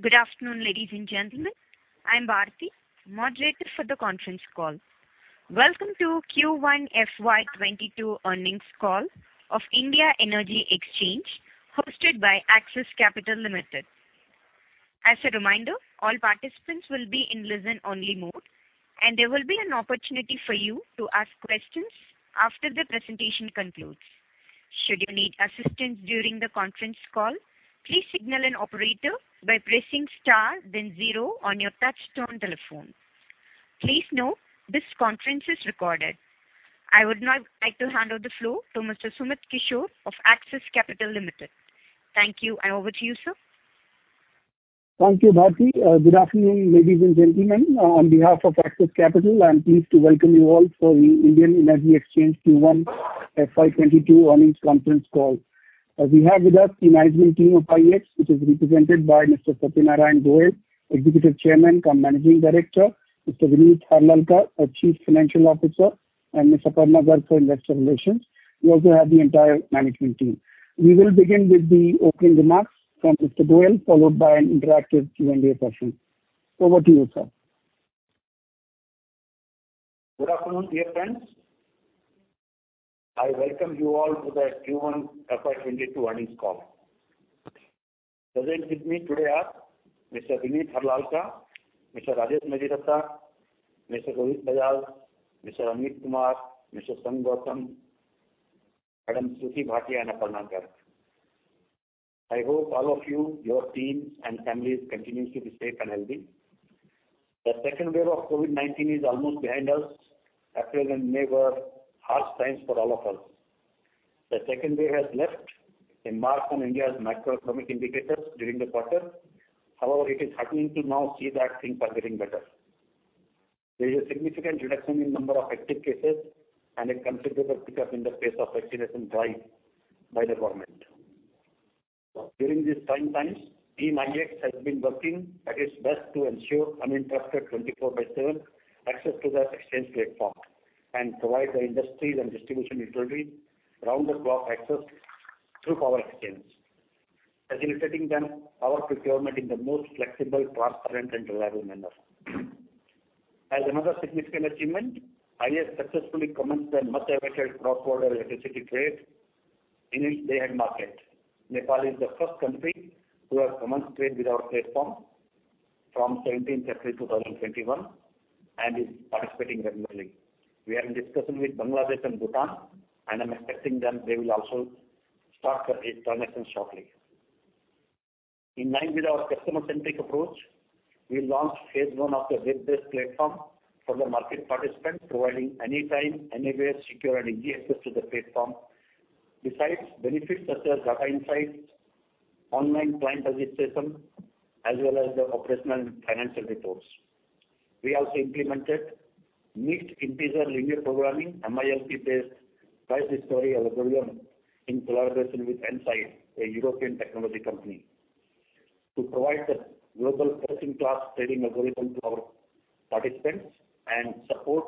Good afternoon, ladies and gentlemen. I'm Bharti, moderator for the conference call. Welcome to Q1 FY 2022 earnings call of Indian Energy Exchange hosted by Axis Capital Limited. As a reminder, all participants will be in listen only mode and there will be an opportunity for you to ask questions after the presentation concludes. Should you need assistance during the conference call, please signal an operator by pressing star then zero on your touchtone telephone. Please note this conference is recorded. I would now like to hand over the floor to Mr. Sumit Kishore of Axis Capital Limited. Thank you and over to you, sir. Thank you, Bharti. Good afternoon, ladies and gentlemen. On behalf of Axis Capital, I'm pleased to welcome you all for the Indian Energy Exchange Q1 FY 2022 earnings conference call. We have with us the management team of IEX, which is represented by Mr. Satyanarayan Goel, Executive Chairman cum Managing Director, Mr. Vineet Harlalka, our Chief Financial Officer, and Ms. Aparna Garg for Investor Relations. We also have the entire management team. We will begin with the opening remarks from Mr. Goel, followed by an interactive Q&A session. Over to you, sir. Good afternoon, dear friends. I welcome you all to the Q1 FY 2022 earnings call. Present with me today are Mr. Vineet Harlalka, Mr. Rajesh Mediratta, Mr. Rohit Bajaj, Mr. Amit Kumar, Mr. Sangh Gautam, Madam Shruti Bhatia and Aparna Garg. I hope all of you, your teams and families continues to be safe and healthy. The second wave of COVID-19 is almost behind us. April and May were harsh times for all of us. The second wave has left a mark on India's macroeconomic indicators during the quarter. However, it is heartening to now see that things are getting better. There is a significant reduction in number of active cases and a considerable pickup in the pace of vaccination drive by the government. During these trying times, Team IEX has been working at its best to ensure uninterrupted 24/7 access to the exchange platform and provide the industries and distribution utilities round the clock access through power exchange, facilitating them power procurement in the most flexible, transparent and reliable manner. As another significant achievement, IEX successfully commenced the much awaited cross-border electricity trade in its day-ahead market. Nepal is the first country to have commenced trade with our platform from April 17th 2021 and is participating regularly. We are in discussion with Bangladesh and Bhutan, and I'm expecting them they will also start these transactions shortly. In line with our customer-centric approach, we launched phase 1 of the web-based platform for the market participants providing anytime, anywhere secure and easy access to the platform. Besides benefits such as data insights, online client registration, as well as the operational and financial reports. We also implemented mixed integer linear programming, MILP-based price discovery algorithm in collaboration with N-SIDE, a European technology company, to provide the global best-in-class trading algorithm to our participants and support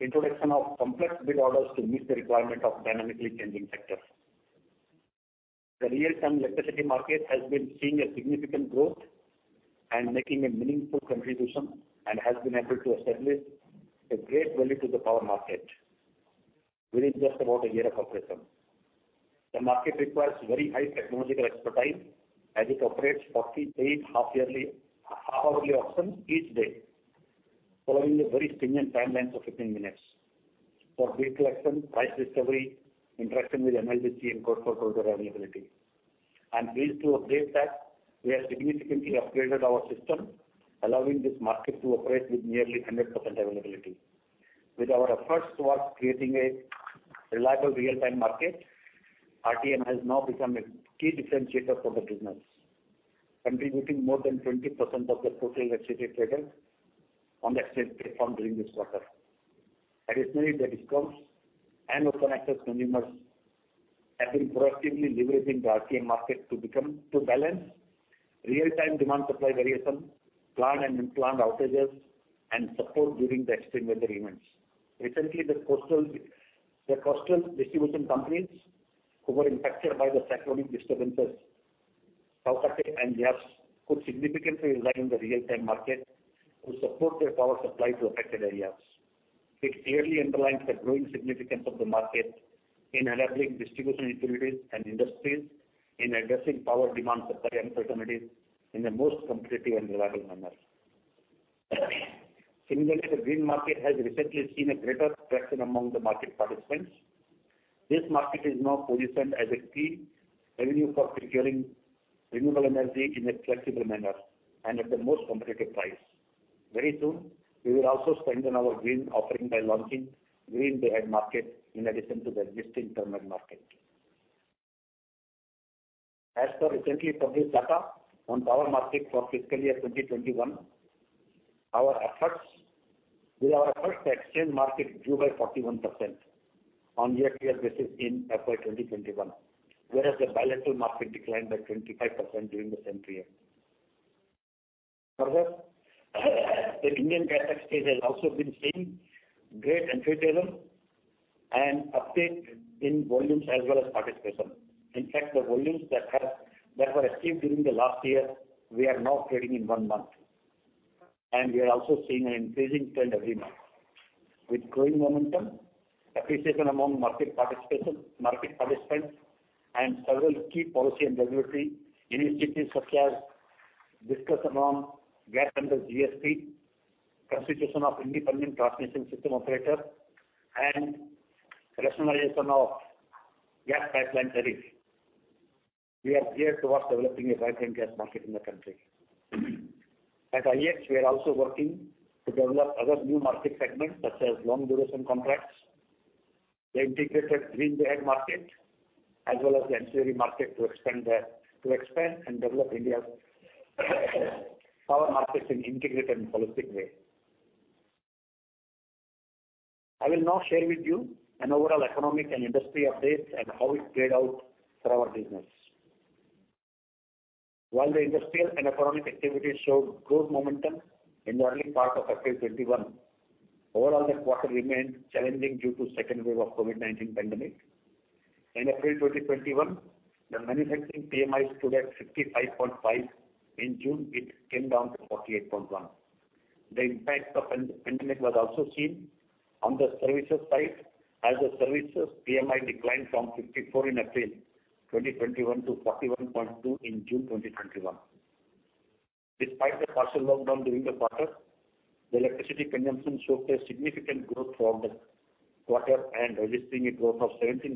introduction of complex bid orders to meet the requirement of dynamically changing sectors. The real-time electricity market has been seeing a significant growth and making a meaningful contribution and has been able to establish a great value to the power market within just about a year of operation. The market requires very high technological expertise as it operates 48 half-hourly auctions each day, following a very stringent timelines of 15 minutes for bid collection, price discovery, interaction with NLDC and grid operator availability. I'm pleased to update that we have significantly upgraded our system allowing this market to operate with nearly 100% availability. With our efforts towards creating a reliable real-time market, RTM has now become a key differentiator for the business, contributing more than 20% of the total electricity traded on the exchange platform during this quarter. Additionally, the discoms and open access consumers have been proactively leveraging the RTM market to balance real-time demand supply variation, planned and unplanned outages and support during the extreme weather events. Recently, the coastal distribution companies who were impacted by the cyclonic disturbances, Tauktae and Yaas could significantly rely on the real-time market to support their power supply to affected areas. It clearly underlines the growing significance of the market in enabling distribution utilities and industries in addressing power demand supply uncertainties in the most competitive and reliable manner. Similarly, the green market has recently seen a greater traction among the market participants. This market is now positioned as a key avenue for procuring renewable energy in a flexible manner and at the most competitive price. Very soon, we will also strengthen our green offering by launching green day-ahead market in addition to the existing term-ahead market. As per recently published data on power market for fiscal year 2021, with our efforts the exchange market grew by 41% on year-to-year basis in FY 2021, whereas the bilateral market declined by 25% during the same period. Further, the Indian Gas Exchange has also been seeing great enthusiasm and uptake in volumes as well as participation. In fact, the volumes that were achieved during the last year, we are now trading in one month. We are also seeing an increasing trend every month. With growing momentum, appreciation among market participants, and several key policy and regulatory initiatives such as discussion on gas under GST, constitution of independent transmission system operator, and rationalization of gas pipeline tariff. We are geared towards developing a vibrant gas market in the country. At IEX, we are also working to develop other new market segments such as Long Duration Contracts, the Green Term Ahead Market, as well as the ancillary market to expand and develop India's power markets in integrated and holistic way. I will now share with you an overall economic and industry updates and how it played out for our business. While the industrial and economic activity showed growth momentum in the early part of April 2021, overall, the quarter remained challenging due to second wave of COVID-19 pandemic. In April 2021, the manufacturing PMI stood at 65.5. In June, it came down to 48.1. The impact of pandemic was also seen on the services side, as the services PMI declined from 54 in April 2021 to 41.2 in June 2021. Despite the partial lockdown during the quarter, the electricity consumption showed a significant growth for the quarter and registering a growth of 17%,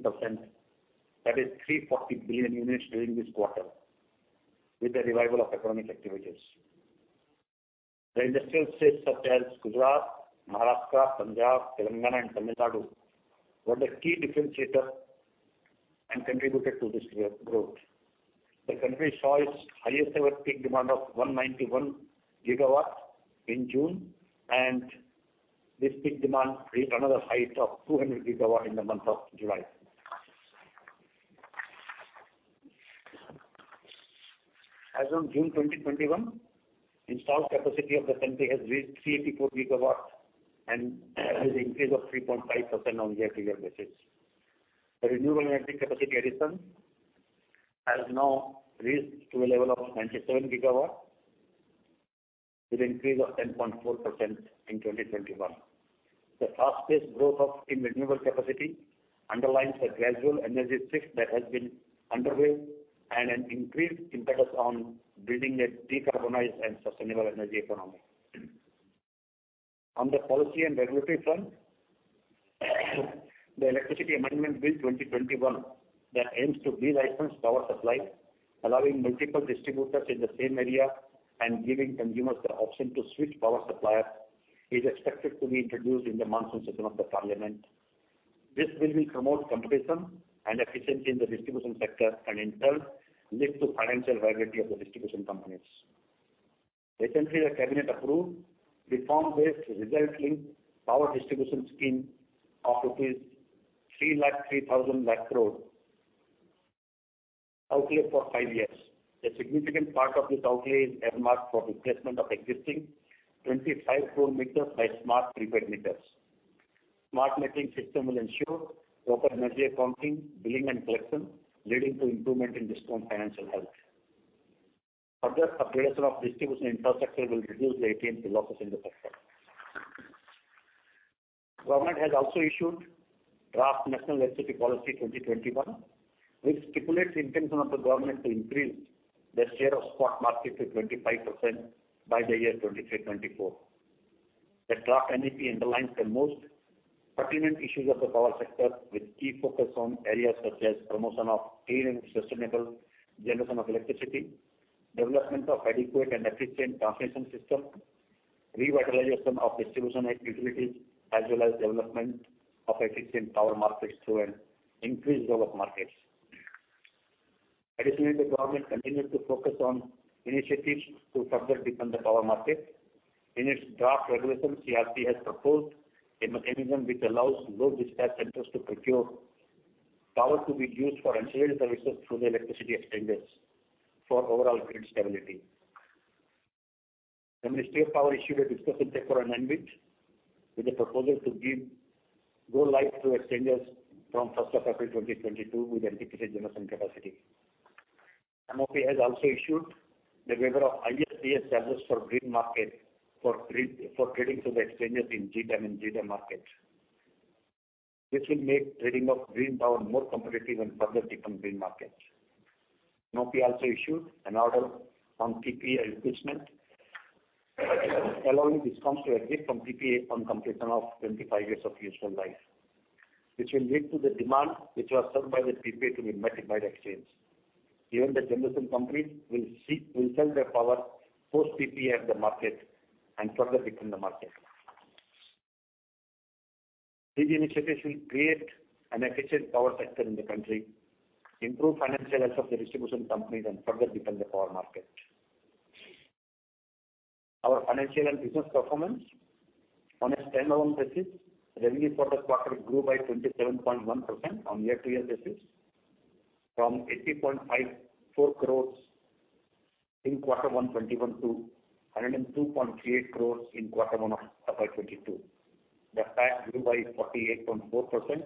that is 340 billion units during this quarter with the revival of economic activities. The industrial states such as Gujarat, Maharashtra, Punjab, Telangana, and Tamil Nadu, were the key differentiator and contributed to this growth. The country saw its highest ever peak demand of 191 GW in June, and this peak demand hit another height of 200 GW in the month of July. As on June 2021, installed capacity of the country has reached 384 GW and has increase of 3.5% on year-to-year basis. The renewable energy capacity addition has now reached to a level of 97 GW, with increase of 10.4% in 2021. The fast-paced growth in renewable capacity underlines a gradual energy shift that has been underway and an increased impetus on building a decarbonized and sustainable energy economy. On the policy and regulatory front, the Electricity Amendment Bill 2021 that aims to de-license power supply, allowing multiple distributors in the same area and giving consumers the option to switch power supplier, is expected to be introduced in the monsoon session of the Parliament. This bill will promote competition and efficiency in the distribution sector and in turn lead to financial viability of the distribution companies. Recently, the Cabinet approved reform-based result-linked power distribution scheme of rupees 303,000 crore outlay for five years. A significant part of this outlay is earmarked for replacement of existing 25 crore meters by smart prepaid meters. Smart metering system will ensure proper energy accounting, billing and collection, leading to improvement in discom financial health. Further upgradation of distribution infrastructure will reduce the AT&C losses in the sector. Government has also issued draft National Electricity Policy 2021, which stipulates intention of the Government to increase the share of spot market to 25% by the year 2023, 2024. The draft NEP underlines the most pertinent issues of the power sector with key focus on areas such as promotion of clean and sustainable generation of electricity, development of adequate and efficient transmission system, revitalization of distribution utilities, as well as development of efficient power markets through an increased role of markets. The Government continues to focus on initiatives to further deepen the power market. In its draft regulation, CERC has proposed a mechanism which allows load dispatch centers to procure power to be used for ancillary services through the electricity exchanges for overall grid stability. Ministry of Power issued a discussion paper on MBED with a proposal to give go live to exchanges from April 1st 2022 with NTPC generation capacity. MoP has also issued the waiver of ISTS charges for green market for trading through the exchanges in GTAM markets. This will make trading of green power more competitive and further deepen green markets. MoP also issued an order on PPA replacement allowing discounts to exit from PPA on completion of 25 years of useful life, which will lead to the demand which was served by the PPA to be met by the exchange. Even the generation companies will sell their power post PPA at the market and further deepen the market. These initiatives will create an efficient power sector in the country, improve financial health of the distribution companies, and further deepen the power market. Our financial and business performance. On a stand-alone basis, revenue for the quarter grew by 27.1% on year-to-year basis. From 80.54 crores in quarter one FY 2021 to 102.38 crores in quarter one of FY 2022. The PAT grew by 48.4%,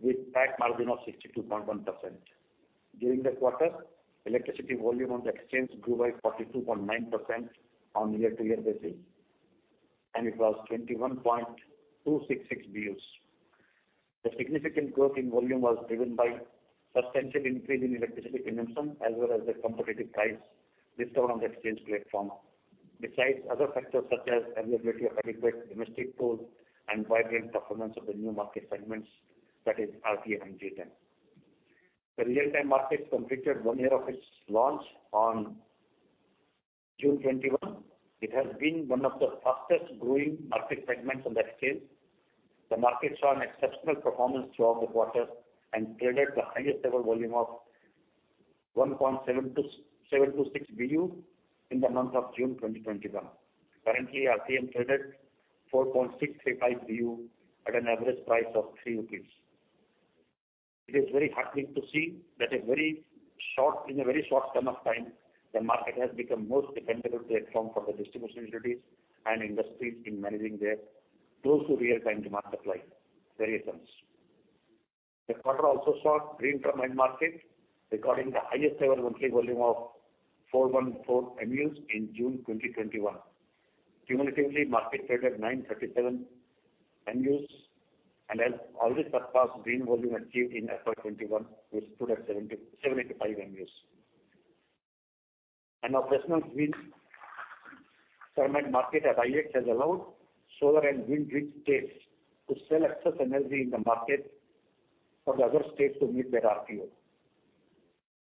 with PAT margin of 62.1%. During the quarter, electricity volume on the exchange grew by 42.9% on year-to-year basis, and it was 21,266 BUs. The significant growth in volume was driven by substantial increase in electricity consumption, as well as the competitive price discount on the exchange platform. Besides other factors such as availability of adequate domestic coal and vibrant performance of the new market segments, that is RTM and GTAM. The real-time market completed one year of its launch on June 21. It has been one of the fastest growing market segments on the exchange. The market saw an exceptional performance throughout the quarter and traded the highest ever volume of 1.726 BU in the month of June 2021. Currently, RTM traded 4.635 BU at an average price of 3 rupees. It is very heartening to see that in a very short span of time, the market has become most dependable platform for the distribution utilities and industries in managing their close to real-time demand supply variations. The quarter also saw green term market recording the highest ever monthly volume of 414 MUs in June 2021. Cumulatively, market traded 937 MUs and has already surpassed green volume achieved in FY 2021, which stood at 785 MUs. Our Green Term Ahead Market at IEX has allowed solar and wind rich states to sell excess energy in the market for the other states to meet their RPO.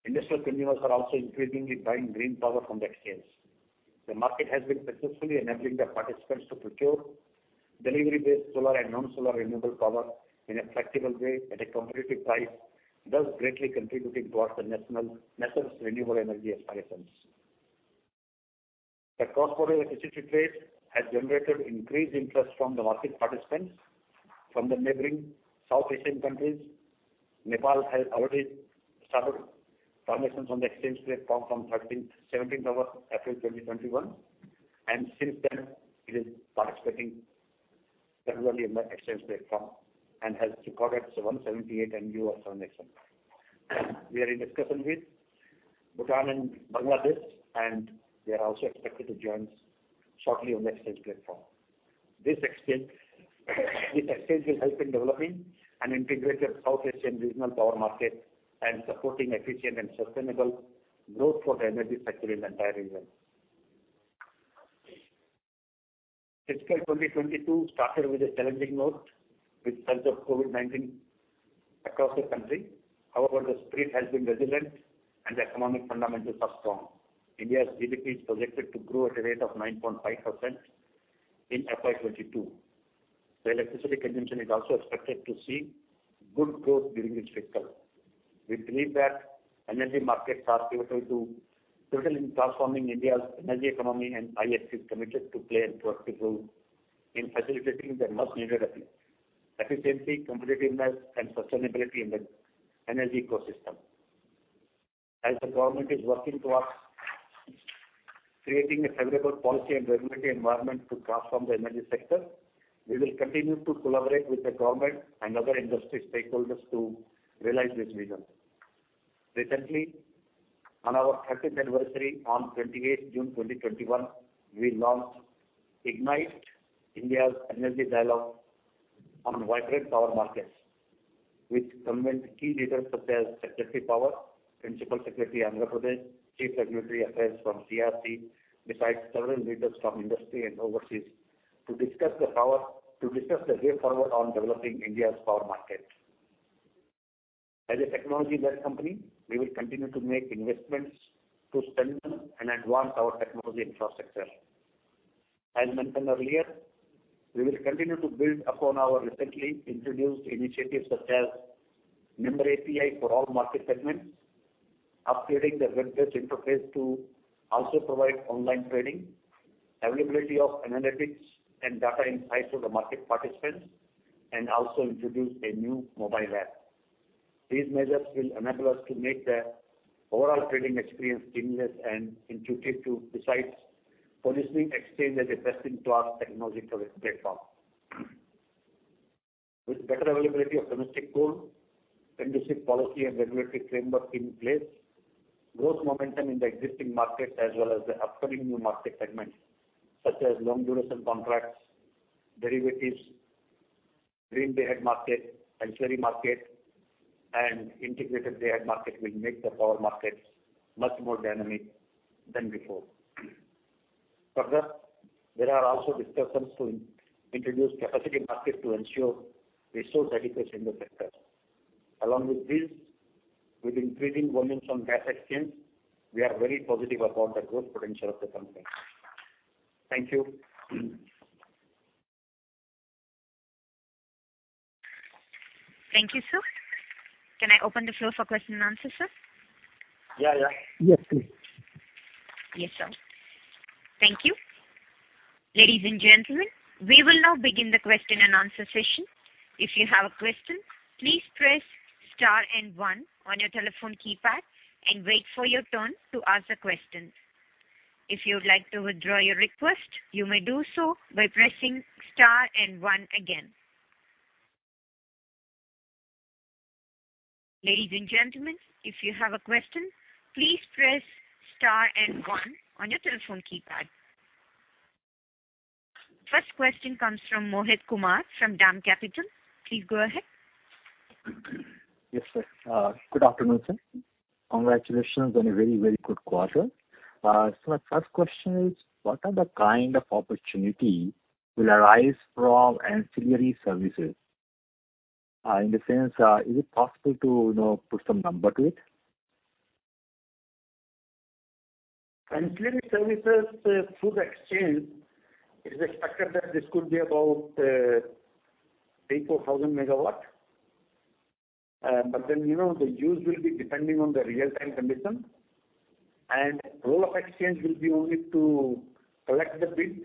Industrial consumers are also increasingly buying green power from the exchange. The market has been successfully enabling the participants to procure delivery-based solar and non-solar renewable power in a flexible way at a competitive price, thus greatly contributing towards the nation's renewable energy aspirations. The cross-border electricity trade has generated increased interest from the market participants from the neighboring South Asian countries. Nepal has already started transactions on the exchange platform from 17th of April 2021. Since then it is participating regularly in the exchange platform and has recorded 778 MU of transaction. We are in discussion with Bhutan and Bangladesh, and they are also expected to join shortly on the exchange platform. This exchange will help in developing an integrated South Asian regional power market and supporting efficient and sustainable growth for the energy sector in the entire region. Fiscal 2022 started with a challenging note with surge of COVID-19 across the country. However, the spirit has been resilient and the economic fundamentals are strong. India's GDP is projected to grow at a rate of 9.5% in FY 2022. The electricity consumption is also expected to see good growth during this fiscal. We believe that energy markets are pivotal to totally transforming India's energy economy, and IEX is committed to play an important role in facilitating the much needed efficiency, competitiveness, and sustainability in the energy ecosystem. As the government is working towards creating a favorable policy and regulatory environment to transform the energy sector, we will continue to collaborate with the government and other industry stakeholders to realize this vision. Recently, on our 30th anniversary on 28th June 2021, we launched IGNITE- India Energy Dialogue on vibrant power markets, which convened key leaders such as Secretary Power, Principal Secretary Andhra Pradesh, Chief Regulatory Affairs from CERC, besides several leaders from industry and overseas to discuss the way forward on developing India's power market. As a technology-led company, we will continue to make investments to strengthen and advance our technology infrastructure. As mentioned earlier, we will continue to build upon our recently introduced initiatives such as member API for all market segments, upgrading the web-based interface to also provide online trading, availability of analytics and data insights for the market participants, and also introduce a new mobile app. These measures will enable us to make the overall trading experience seamless and intuitive too, besides positioning Exchange as a best-in-class technology-driven platform. With better availability of domestic coal, conducive policy and regulatory framework in place, growth momentum in the existing market, as well as the upcoming new market segments such as long duration contracts, derivatives, green day-ahead market, ancillary market, and integrated day-ahead market will make the power markets much more dynamic than before. Further, there are also discussions to introduce capacity market to ensure resource adequacy in the sector. Along with this, with increasing volumes on gas exchange, we are very positive about the growth potential of the company. Thank you. Thank you, sir. Can I open the floor for question and answer, sir? Yeah. Yes, please. Yes, sir. Thank you. Ladies and gentlemen, we will now begin the question and answer session. If you have a question, please press star and one on your telephone keypad and wait for your turn to ask the question. If you would like to withdraw your request, you may do so by pressing star and one again. Ladies and gentlemen, if you have a question, please press star and one on your telephone keypad. First question comes from Mohit Kumar from DAM Capital. Please go ahead. Yes, sir. Good afternoon, sir. Congratulations on a very, very good quarter. My first question is, what are the kind of opportunity will arise from ancillary services? In the sense, is it possible to put some number to it? Ancillary services through the exchange, it is expected that this could be about 3,000 MW-4,000 MW. The use will be depending on the real-time condition, and role of exchange will be only to collect the bid,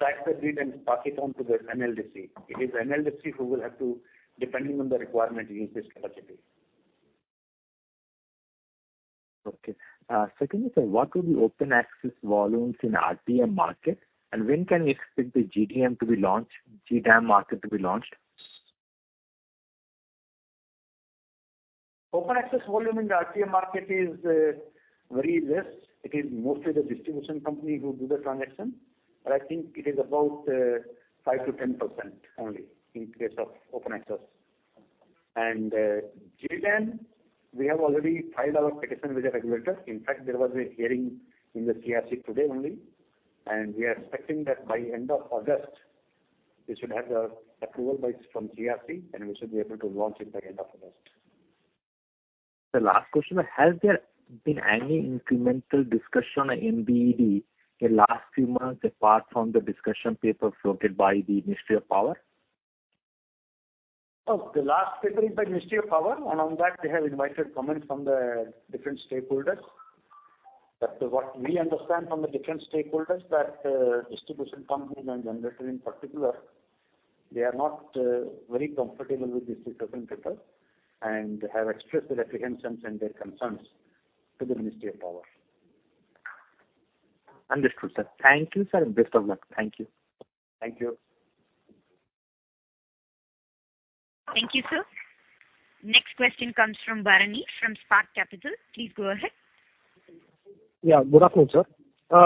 track the bid, and pass it on to the NLDC. It is NLDC who will have to, depending on the requirement, use this capacity. Okay. Secondly, sir, what will be open access volumes in RTM market, and when can we expect the GDAM to be launched? Open access volume in the RTM market is very less. It is mostly the distribution company who do the transaction. I think it is about 5%-10% only in case of open access. GDAM, we have already filed our petition with the regulator. In fact, there was a hearing in the CERC today only, and we are expecting that by end of August, we should have the approval from CERC, and we should be able to launch it by end of August. Sir, last question. Has there been any incremental discussion on MBED in last few months apart from the discussion paper floated by the Ministry of Power? Oh, the last paper is by Ministry of Power. On that they have invited comments from the different stakeholders. What we understand from the different stakeholders that distribution companies and generator in particular, they are not very comfortable with this discussion paper and have expressed their apprehensions and their concerns to the Ministry of Power. Understood, sir. Thank you, sir, and best of luck. Thank you. Thank you. Thank you, sir. Next question comes from Bharani, from Spark Capital. Please go ahead. Yeah, good afternoon, sir.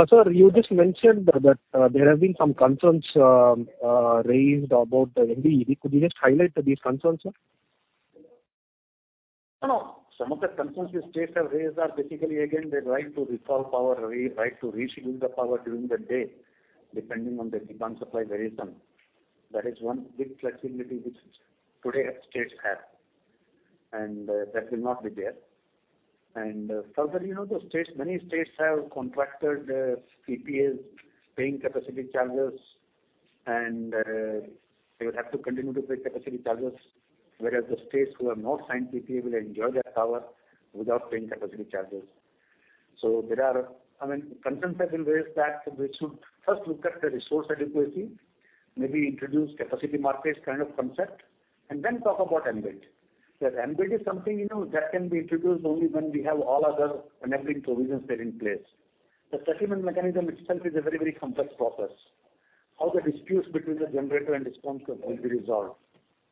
Sir, you just mentioned that there have been some concerns raised about the MBED. Could you just highlight these concerns, sir? No, no. Some of the concerns the states have raised are basically, again, their right to reserve power, right to reschedule the power during the day, depending on the demand supply variation. That is one big flexibility which today states have. That will not be there. Further, many states have contracted PPAs paying capacity charges, and they would have to continue to pay capacity charges, whereas the states who have not signed PPA will enjoy that power without paying capacity charges. There are concerns have been raised that we should first look at the resource adequacy, maybe introduce capacity markets kind of concept, and then talk about MBED. MBED is something that can be introduced only when we have all other enabling provisions there in place. The settlement mechanism itself is a very, very complex process. How the disputes between the generator and discoms will be resolved.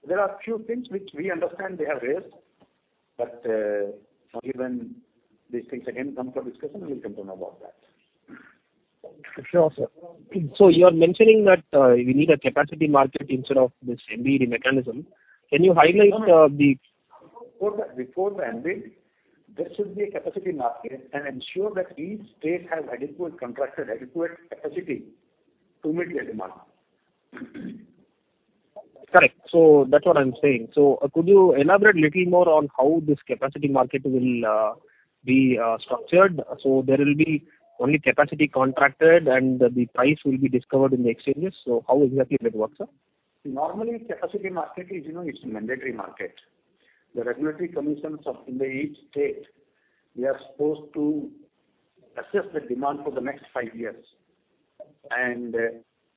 There are few things which we understand they have raised, but given these things, again, comes for discussion, we will come to know about that. Sure, sir. You are mentioning that we need a capacity market instead of this MBED mechanism. Before the MBED, there should be a capacity market and ensure that each state has adequate contracted, adequate capacity to meet their demand. Correct. That's what I'm saying. Could you elaborate little more on how this capacity market will be structured? There will be only capacity contracted and the price will be discovered in the exchanges. How exactly that works, sir? Normally, capacity market is mandatory market. The regulatory commissions in each state, they are supposed to assess the demand for the next five years.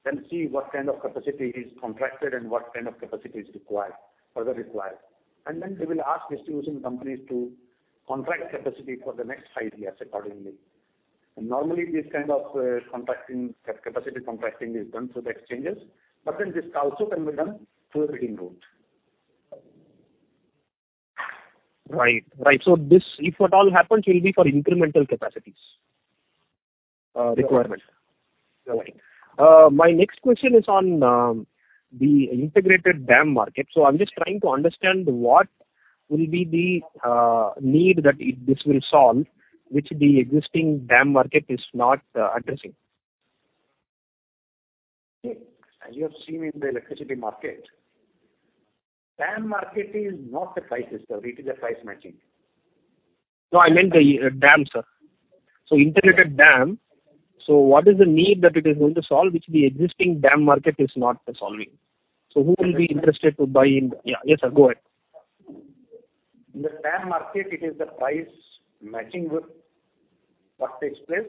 Then see what kind of capacity is contracted and what kind of capacity is further required. They will ask distribution companies to contract capacity for the next five years accordingly. This also can be done through a written route. Right. This, if at all happens, will be for incremental capacities requirement. Correct. My next question is on the integrated DAM market. I'm just trying to understand what will be the need that this will solve, which the existing DAM market is not addressing. See, as you have seen in the electricity market, DAM market is not a price discovery, it is a price matching. No, I meant the DAM, sir. Integrated DAM. What is the need that it is going to solve, which the existing DAM market is not solving? Who will be interested to buy in Yeah. Yes, sir, go ahead. In the TAM market, it is the price matching with what takes place.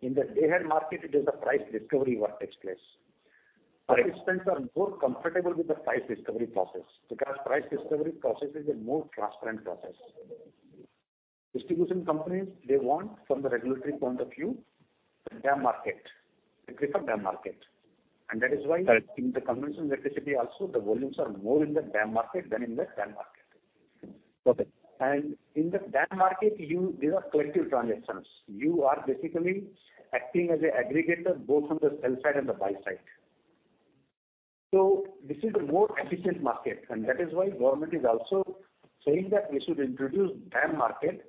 In the day-ahead market, it is the price discovery what takes place. Right. Participants are more comfortable with the price discovery process because price discovery process is a more transparent process. Distribution companies, they want, from the regulatory point of view, the DAM market. They prefer DAM market. Right. And that is why in the conventional electricity also, the volumes are more in the DAM market than in the TAM market. Okay. In the DAM market, these are collective transactions. You are basically acting as an aggregator, both on the sell side and the buy side. This is a more efficient market, and that is why Government is also saying that we should introduce DAM market,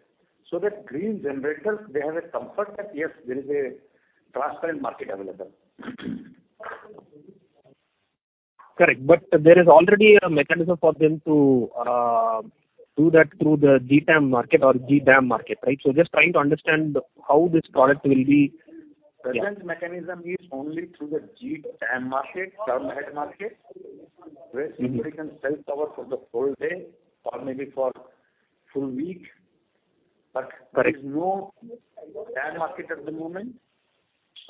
so that green generators, they have a comfort that, yes, there is a transparent market available. Correct. There is already a mechanism for them to do that through the GTAM market or GDAM market, right? Just trying to understand how this product will be. Yeah. Current mechanism is only through the GTAM market, term ahead market, where somebody can sell power for the whole day or maybe for full week. Correct. there is no DAM market at the moment.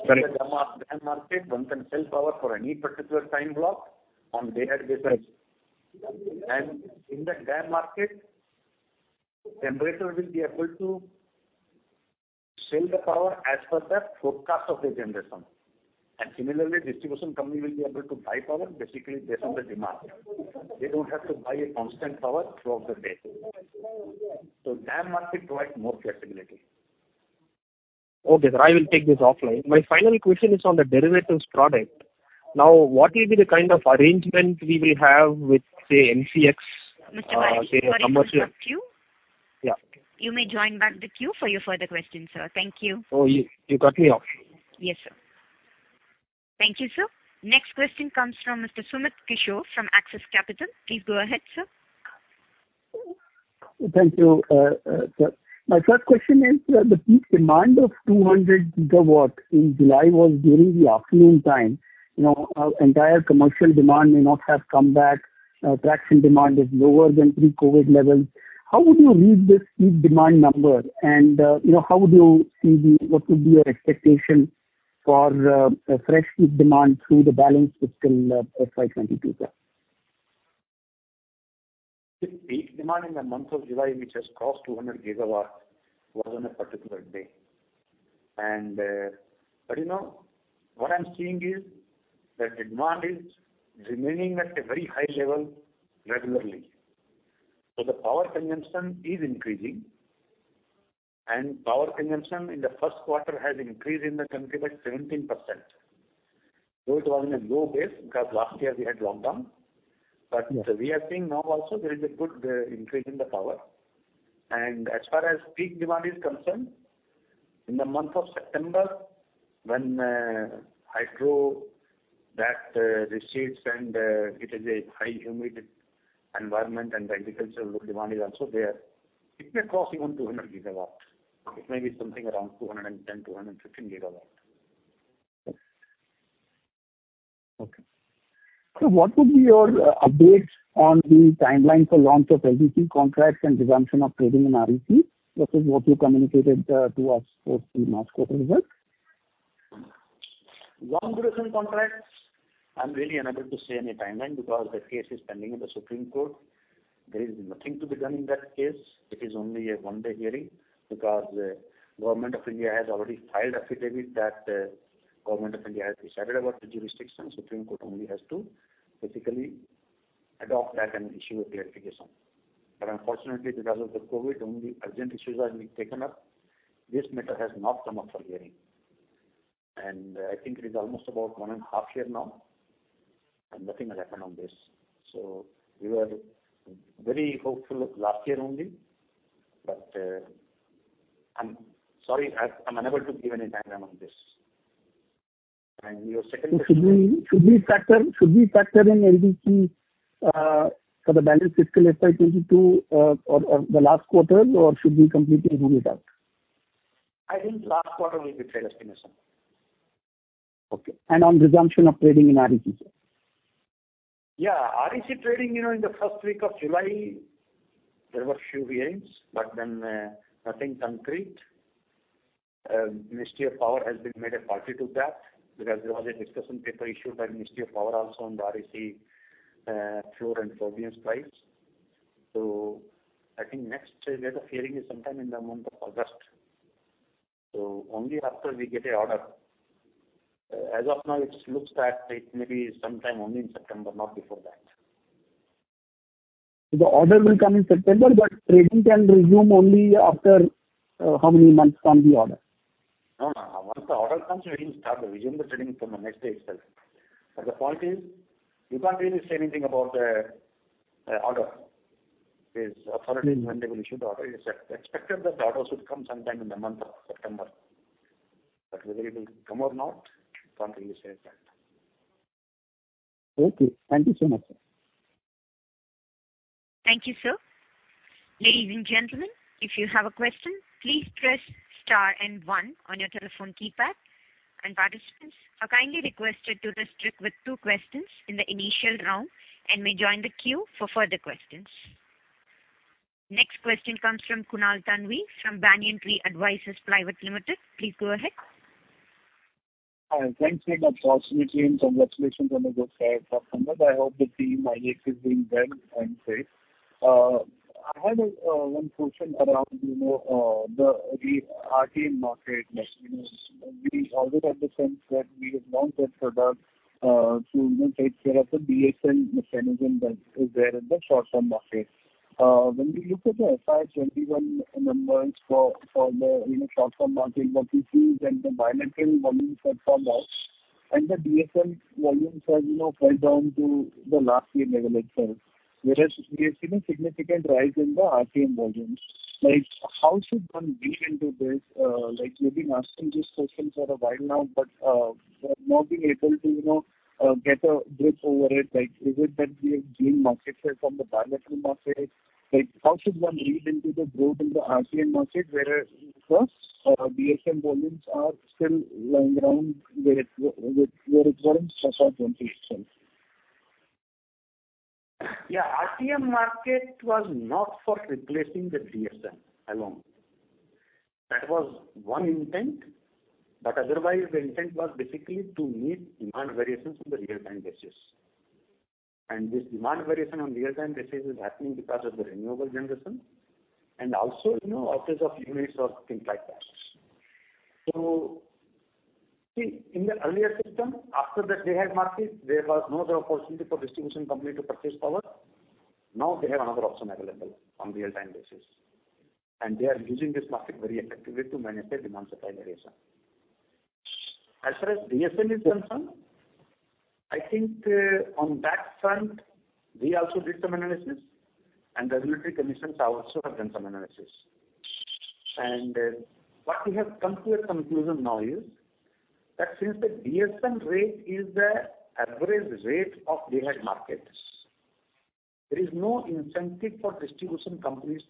Correct. In the DAM market, one can sell power for any particular time block on day-ahead basis. Right. In the DAM market, generators will be able to sell the power as per their forecast of the generation. Similarly, distribution company will be able to buy power, basically based on the demand. They don't have to buy a constant power throughout the day. DAM market provides more flexibility. Okay, sir. I will take this offline. My final question is on the derivatives product. What will be the kind of arrangement we will have with, say, NCDEX. Mr. Bharani, sorry to interrupt you. Yeah. You may join back the queue for your further questions, sir. Thank you. Oh, you cut me off. Yes, sir. Thank you, sir. Next question comes from Mr. Sumit Kishore from Axis Capital. Please go ahead, sir. Thank you. My first question is, the peak demand of 200 GW in July was during the afternoon time. Entire commercial demand may not have come back. Traction demand is lower than pre-COVID-19 levels. How would you read this peak demand number and what would be your expectation for fresh peak demand through the balance fiscal FY 2022? This peak demand in the month of July, which has crossed 200 GW, was on a particular day. What I'm seeing is that demand is remaining at a very high level regularly. The power consumption is increasing, and power consumption in the first quarter has increased in the country by 17%. Though it was on a low base because last year we had lockdown. Yes. We are seeing now also there is a good increase in the power. As far as peak demand is concerned, in the month of September, when hydro, that recedes and it is a high humid environment and the agricultural demand is also there, it may cross even 200 GW. It may be something around 210 GW-215 GW. Okay. What would be your updates on the timeline for launch of LDC contracts and resumption of trading in REC versus what you communicated to us post the March quarter results? Long-duration contracts, I'm really unable to say any timeline because the case is pending in the Supreme Court. There is nothing to be done in that case. It is only a one-day hearing because Government of India has already filed affidavit that Government of India has decided about the jurisdiction. Supreme Court only has to basically adopt that and issue a clarification. Unfortunately, because of the COVID, only urgent issues are being taken up. This matter has not come up for hearing. I think it is almost about one and a half years now, and nothing has happened on this. We were very hopeful last year only. I'm sorry, I'm unable to give any timeline on this. Your second question? Should we factor in LDC for the balance fiscal FY 2022 or the last quarter, or should we completely rule it out? I think last quarter will be clarification. Okay. On resumption of trading in REC? Yeah. REC trading, in the first week of July, there were few hearings, but then nothing concrete. Ministry of Power has been made a party to that because there was a discussion paper issued by Ministry of Power also on REC floor and floor price. I think next they have a hearing is sometime in the month of August. Only after we get an order, as of now, it looks that it may be sometime only in September, not before that. The order will come in September, but trading can resume only after how many months from the order? No, no. Once the order comes, we didn't start. We resume the trading from the next day itself. The point is, you can't really say anything about the order. Is authority when they will issue the order. It is expected that the order should come sometime in the month of September. Whether it will come or not, can't really say that. Okay. Thank you so much, sir. Thank you, sir. Ladies and gentlemen, if you have a question, please press star one on your telephone keypad. Participants are kindly requested to restrict with two questions in the initial round and may join the queue for further questions. Next question comes from Kunal Thanvi from Banyan Tree Advisors Private Limited. Please go ahead. Hi. Thanks, team, for opportunity and congratulations on the good results. I hope the team is doing well and safe. I had one question around the RTM market. We always understand that we have launched that product to take care of the DSM mechanism that is there in the short-term market. When we look at the FY 2021 numbers for the short-term market, what we see is that the bilateral volumes have come down and the DSM volumes have fell down to the last year level itself. Whereas we have seen a significant rise in the RTM volumes. How should one read into this? We've been asking this question for a while now, but not being able to get a grip over it. Is it that we have gained market share from the bilateral market? How should one read into the growth in the RTM market whereas DSM volumes are still lying around where it was in FY 2020 itself? RTM market was not for replacing the DSM alone. That was one intent, otherwise, the intent was basically to meet demand variations on the real-time basis. This demand variation on real-time basis is happening because of the renewable generation and also outage of units or intake losses. In the earlier system, after the day-ahead market, there was no other opportunity for distribution company to purchase power. Now they have another option available on real-time basis, they are using this market very effectively to manage their demand supply variation. As far as DSM is concerned, I think on that front, we also did some analysis, regulatory commissions also have done some analysis. What we have come to a conclusion now is that since the DSM rate is the average rate of day-ahead markets, there is no incentive for distribution companies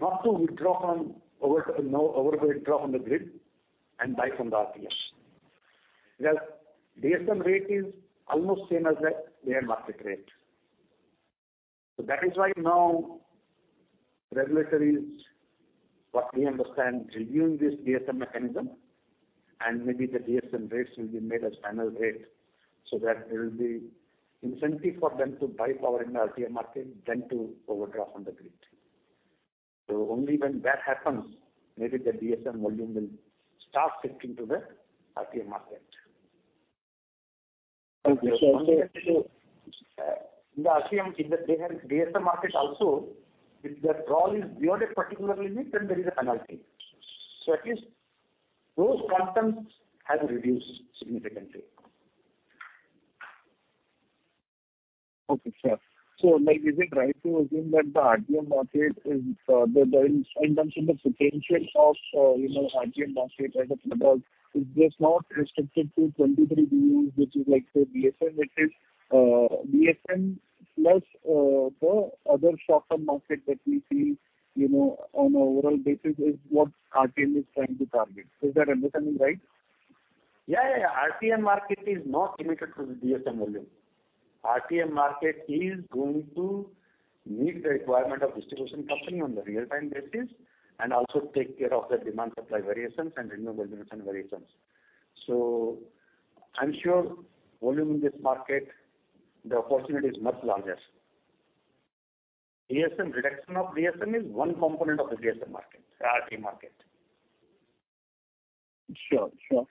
not to withdraw from the grid and buy from the RTMs. DSM rate is almost same as the day-ahead market rate. That is why now regulatory is, what we understand, reviewing this DSM mechanism and maybe the DSM rates will be made as penal rate so that there will be incentive for them to buy power in the RTM market than to overdraft on the grid. Only when that happens, maybe the DSM volume will start shifting to the RTM market. Okay, sir. In the DSM market also, if the draw is beyond a particular limit, then there is a penalty. At least those contents have reduced significantly. Okay, sir. Is it right to assume that in terms of the potential of RTM market as a product, it is not restricted to 23 states, which is like the DSM. It is DSM plus the other short-term market that we see on a overall basis is what RTM is trying to target. Is that understanding right? RTM market is not limited to the DSM volume. RTM market is going to meet the requirement of distribution company on the real-time basis and also take care of the demand supply variations and renewable generation variations. I'm sure volume in this market, the opportunity is much larger. Reduction of DSM is one component of the RTM market. Sure. That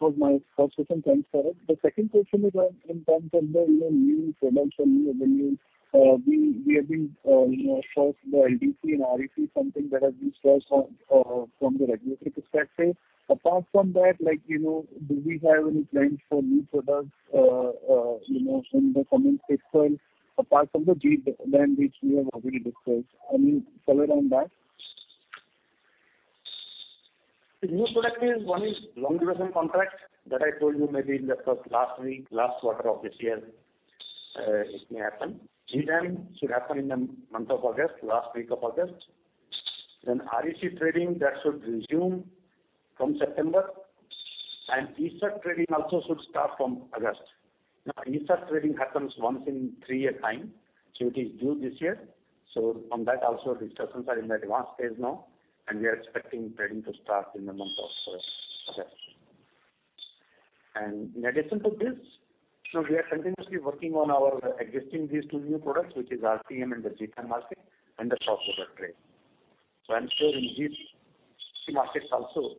was my first question. Thanks for it. The second question is in terms of the new products or new avenues. We have been sourced the LDC and REC, something that has been sourced from the regulatory perspective. Apart from that, do we have any plans for new products from the company itself, apart from the GDAM, which we have already discussed? Any color on that? New product is, one is Long Duration Contract that I told you maybe in the last week, last quarter of this year, it may happen. GDAM should happen in the month of August, last week of August. REC trading, that should resume from September. ESCerts trading also should start from August. ESCerts trading happens once in three year time. It is due this year. On that also, discussions are in the advanced stage now, and we are expecting trading to start in the month of August. In addition to this, we are continuously working on our existing these two new products, which is RTM and the GDAM market and the cross-border trade. I'm sure in these two markets also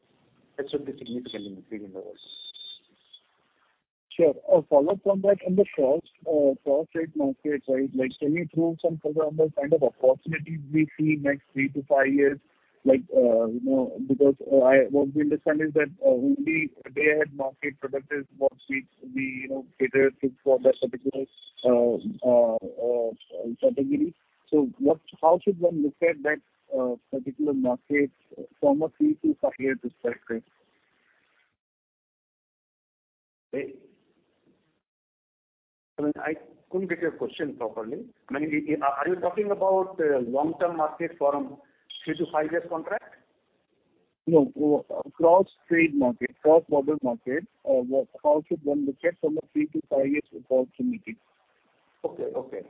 there should be significant increase in the volumes. Sure. A follow from that, in the cross trade markets, can you throw some color on the kind of opportunities we see next three to five years? What we understand is that only day-ahead market product is what we cater to for that particular category. How should one look at that particular market from a three to five year perspective? I couldn't get your question properly. Are you talking about long-term market for a three to five years contract? No. Cross-trade market, cross-border market. How should one look at from a three to five years opportunity? Okay.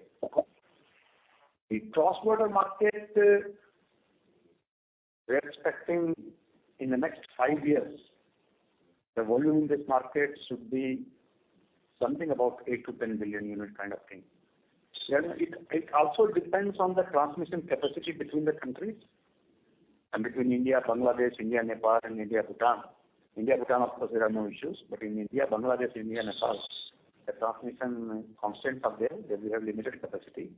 The cross-border market, we are expecting in the next five years, the volume in this market should be something about 8-10 billion units kind of thing. It also depends on the transmission capacity between the countries, and between India, Bangladesh, India, Nepal, and India, Bhutan. India, Bhutan, of course, there are no issues. In India, Bangladesh, India, Nepal, the transmission constants are there. They have limited capacity,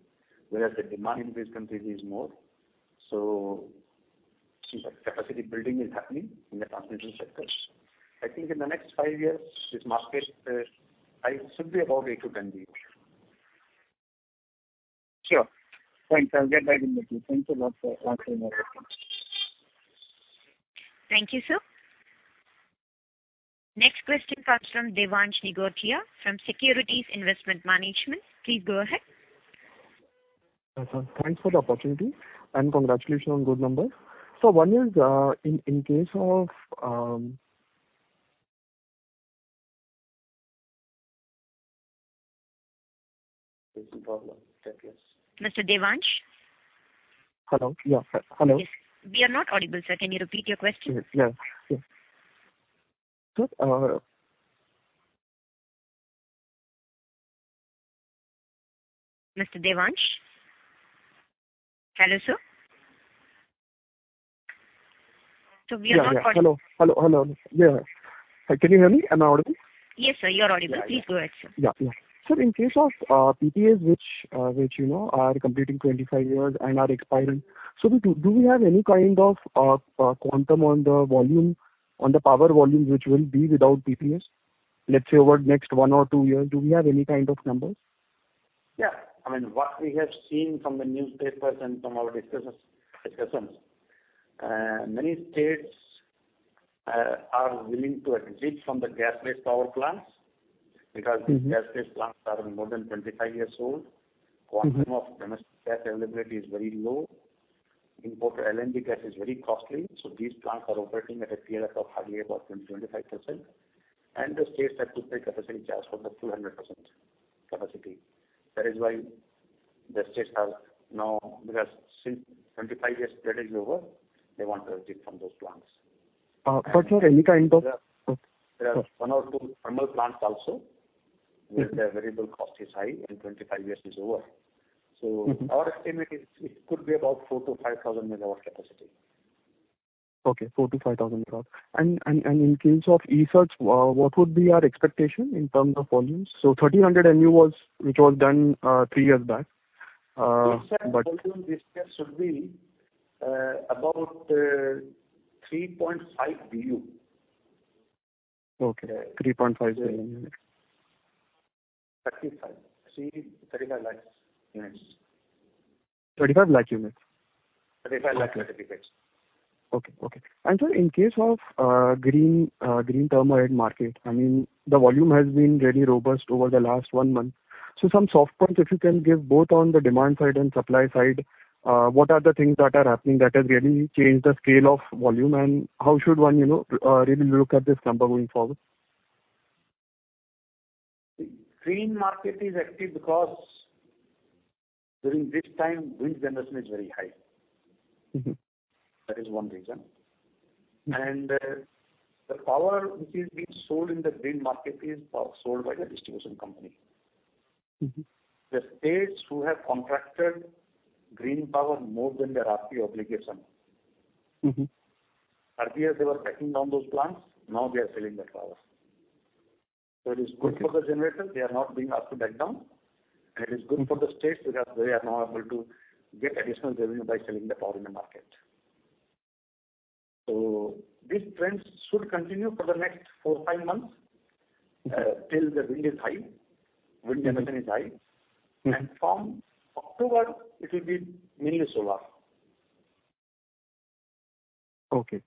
whereas the demand in these countries is more. The capacity building is happening in the transmission sectors. I think in the next five years, this market should be about 8-10 BU. Sure. Thanks. I'll get back in touch with you. Thanks a lot for answering my questions. Thank you, sir. Next question comes from Devansh Nigotia from Securities Investment Management. Please go ahead. Thanks for the opportunity, and congratulations on good numbers. One is, in case of- There's a problem with that, yes. Mr. Devansh? Hello? Yeah. Hello. Yes. We are not audible, sir. Can you repeat your question? Yes. Sure. Sir, our- Mr. Devansh? Hello, sir. We are not audible. Hello. Can you hear me? Am I audible? Yes, sir. You are audible. Please go ahead, sir. Yeah. Sir, in case of PPAs which are completing 25 years and are expiring, do we have any kind of quantum on the power volume which will be without PPAs, let's say, over the next one or two years? Do we have any kind of numbers? What we have seen from the newspapers and from our discussions, many states are willing to exit from the gas-based power plants because these gas-based plants are more than 25 years old. Quantum of domestic gas availability is very low. Imported LNG gas is very costly. These plants are operating at a PLF of hardly about 20%-25%, and the states have to pay capacity charge for the full 100% capacity. The states have now, because since 25 years period is over, they want to exit from those plants. Sir, any kind of- There are one or two thermal plants also where their variable cost is high and 25 years is over. Our estimate is it could be about 4,000 MW-5,000 MW capacity. Okay. 4,000 MW-5,000 MW. In case of ESCerts, what would be our expectation in terms of volumes? 1,300 MU which was done three years back. ESCerts volume this year should be about 3.5 BU. Okay. 3.5 billion units. 3,500,000 units. 35 lakh units? 35 lakh metric tons. Okay. Sir, in case of Green Term Ahead Market, the volume has been really robust over the last one month. Some soft points if you can give both on the demand side and supply side. What are the things that are happening that has really changed the scale of volume, and how should one really look at this number going forward? Green market is active because during this time, wind generation is very high. That is one reason. The power which is being sold in the green market is power sold by the distribution company. The states who have contracted green power more than their RP obligation. Earlier, they were shutting down those plants. Now they are selling that power. It is good for the generators. They are not being asked to shut down. It is good for the states because they are now able to get additional revenue by selling the power in the market. These trends should continue for the next four, five months till the wind is high, wind generation is high. From October, it will be mainly solar. Okay.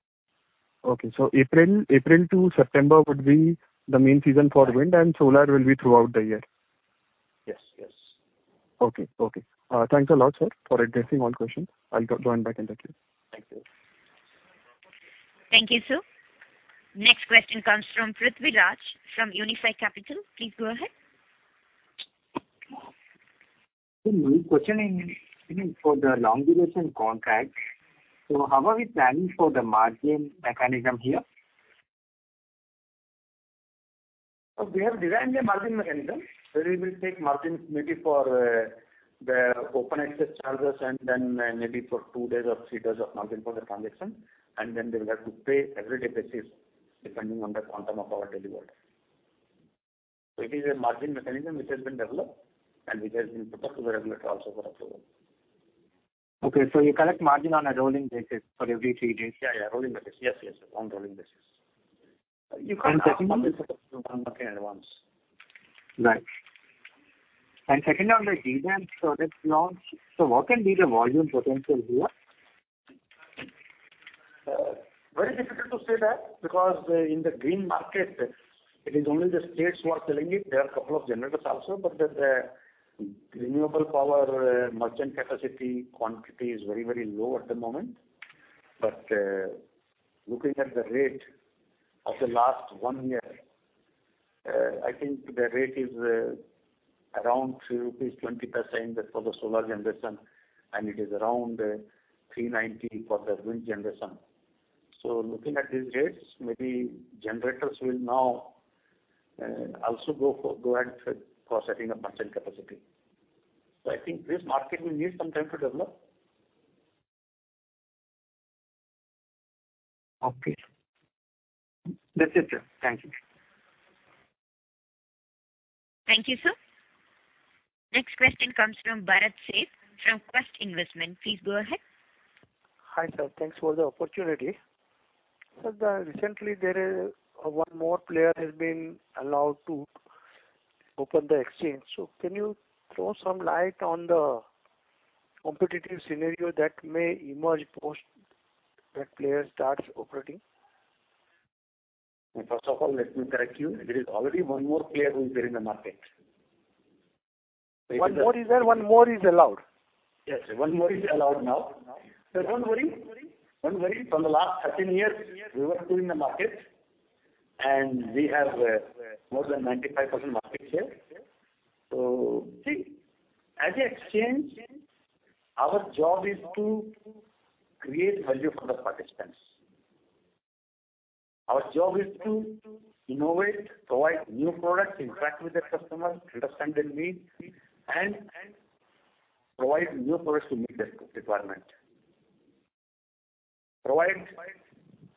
April to September would be the main season for wind, and solar will be throughout the year. Yes. Okay. Thanks a lot, sir, for addressing all questions. I'll join back in touch with you. Thank you. Thank you, sir. Next question comes from Prithvi Raj, from Unifi Capital. Please go ahead. Sir, my question is for the Long Duration Contract. How are we planning for the margin mechanism here? We have designed a margin mechanism where we will take margins maybe for the open access charges and then maybe for two days or three days of margin for the transaction, and then they will have to pay every day basis depending on the quantum of power delivered. It is a margin mechanism which has been developed and which has been put up to the regulator also for approval. Okay, you collect margin on a rolling basis for every three days? Yeah, rolling basis. Yes. On rolling basis. And second- You can't ask margins to run the whole market at once. Right. Second on the demand side, I couldn't get your question properly. Very difficult to say that because in the green market, it is only the states who are selling it. There are a couple of generators also, but the renewable power merchant capacity quantity is very low at the moment. Looking at the rate of the last one year, I think the rate is around rupees 20.20 for the solar generation, and it is around 390 for the wind generation. Looking at these rates, maybe generators will now also go ahead for setting up merchant capacity. I think this market will need some time to develop. Okay. That's it, sir. Thank you. Thank you, sir. Next question comes from Bharat Sheth from Quest Investment. Please go ahead. Hi, sir. Thanks for the opportunity. Sir, recently one more player has been allowed to open the exchange. Can you throw some light on the competitive scenario that may emerge post that player starts operating? First of all, let me correct you. There is already one more player who is there in the market. One more is there, one more is allowed. Yes, one more is allowed now. Don't worry. From the last 13 years, we were doing the market, and we have more than 95% market share. See, as an exchange, our job is to create value for the participants. Our job is to innovate, provide new products, interact with the customer, understand their needs, and provide new products to meet the requirement. Provide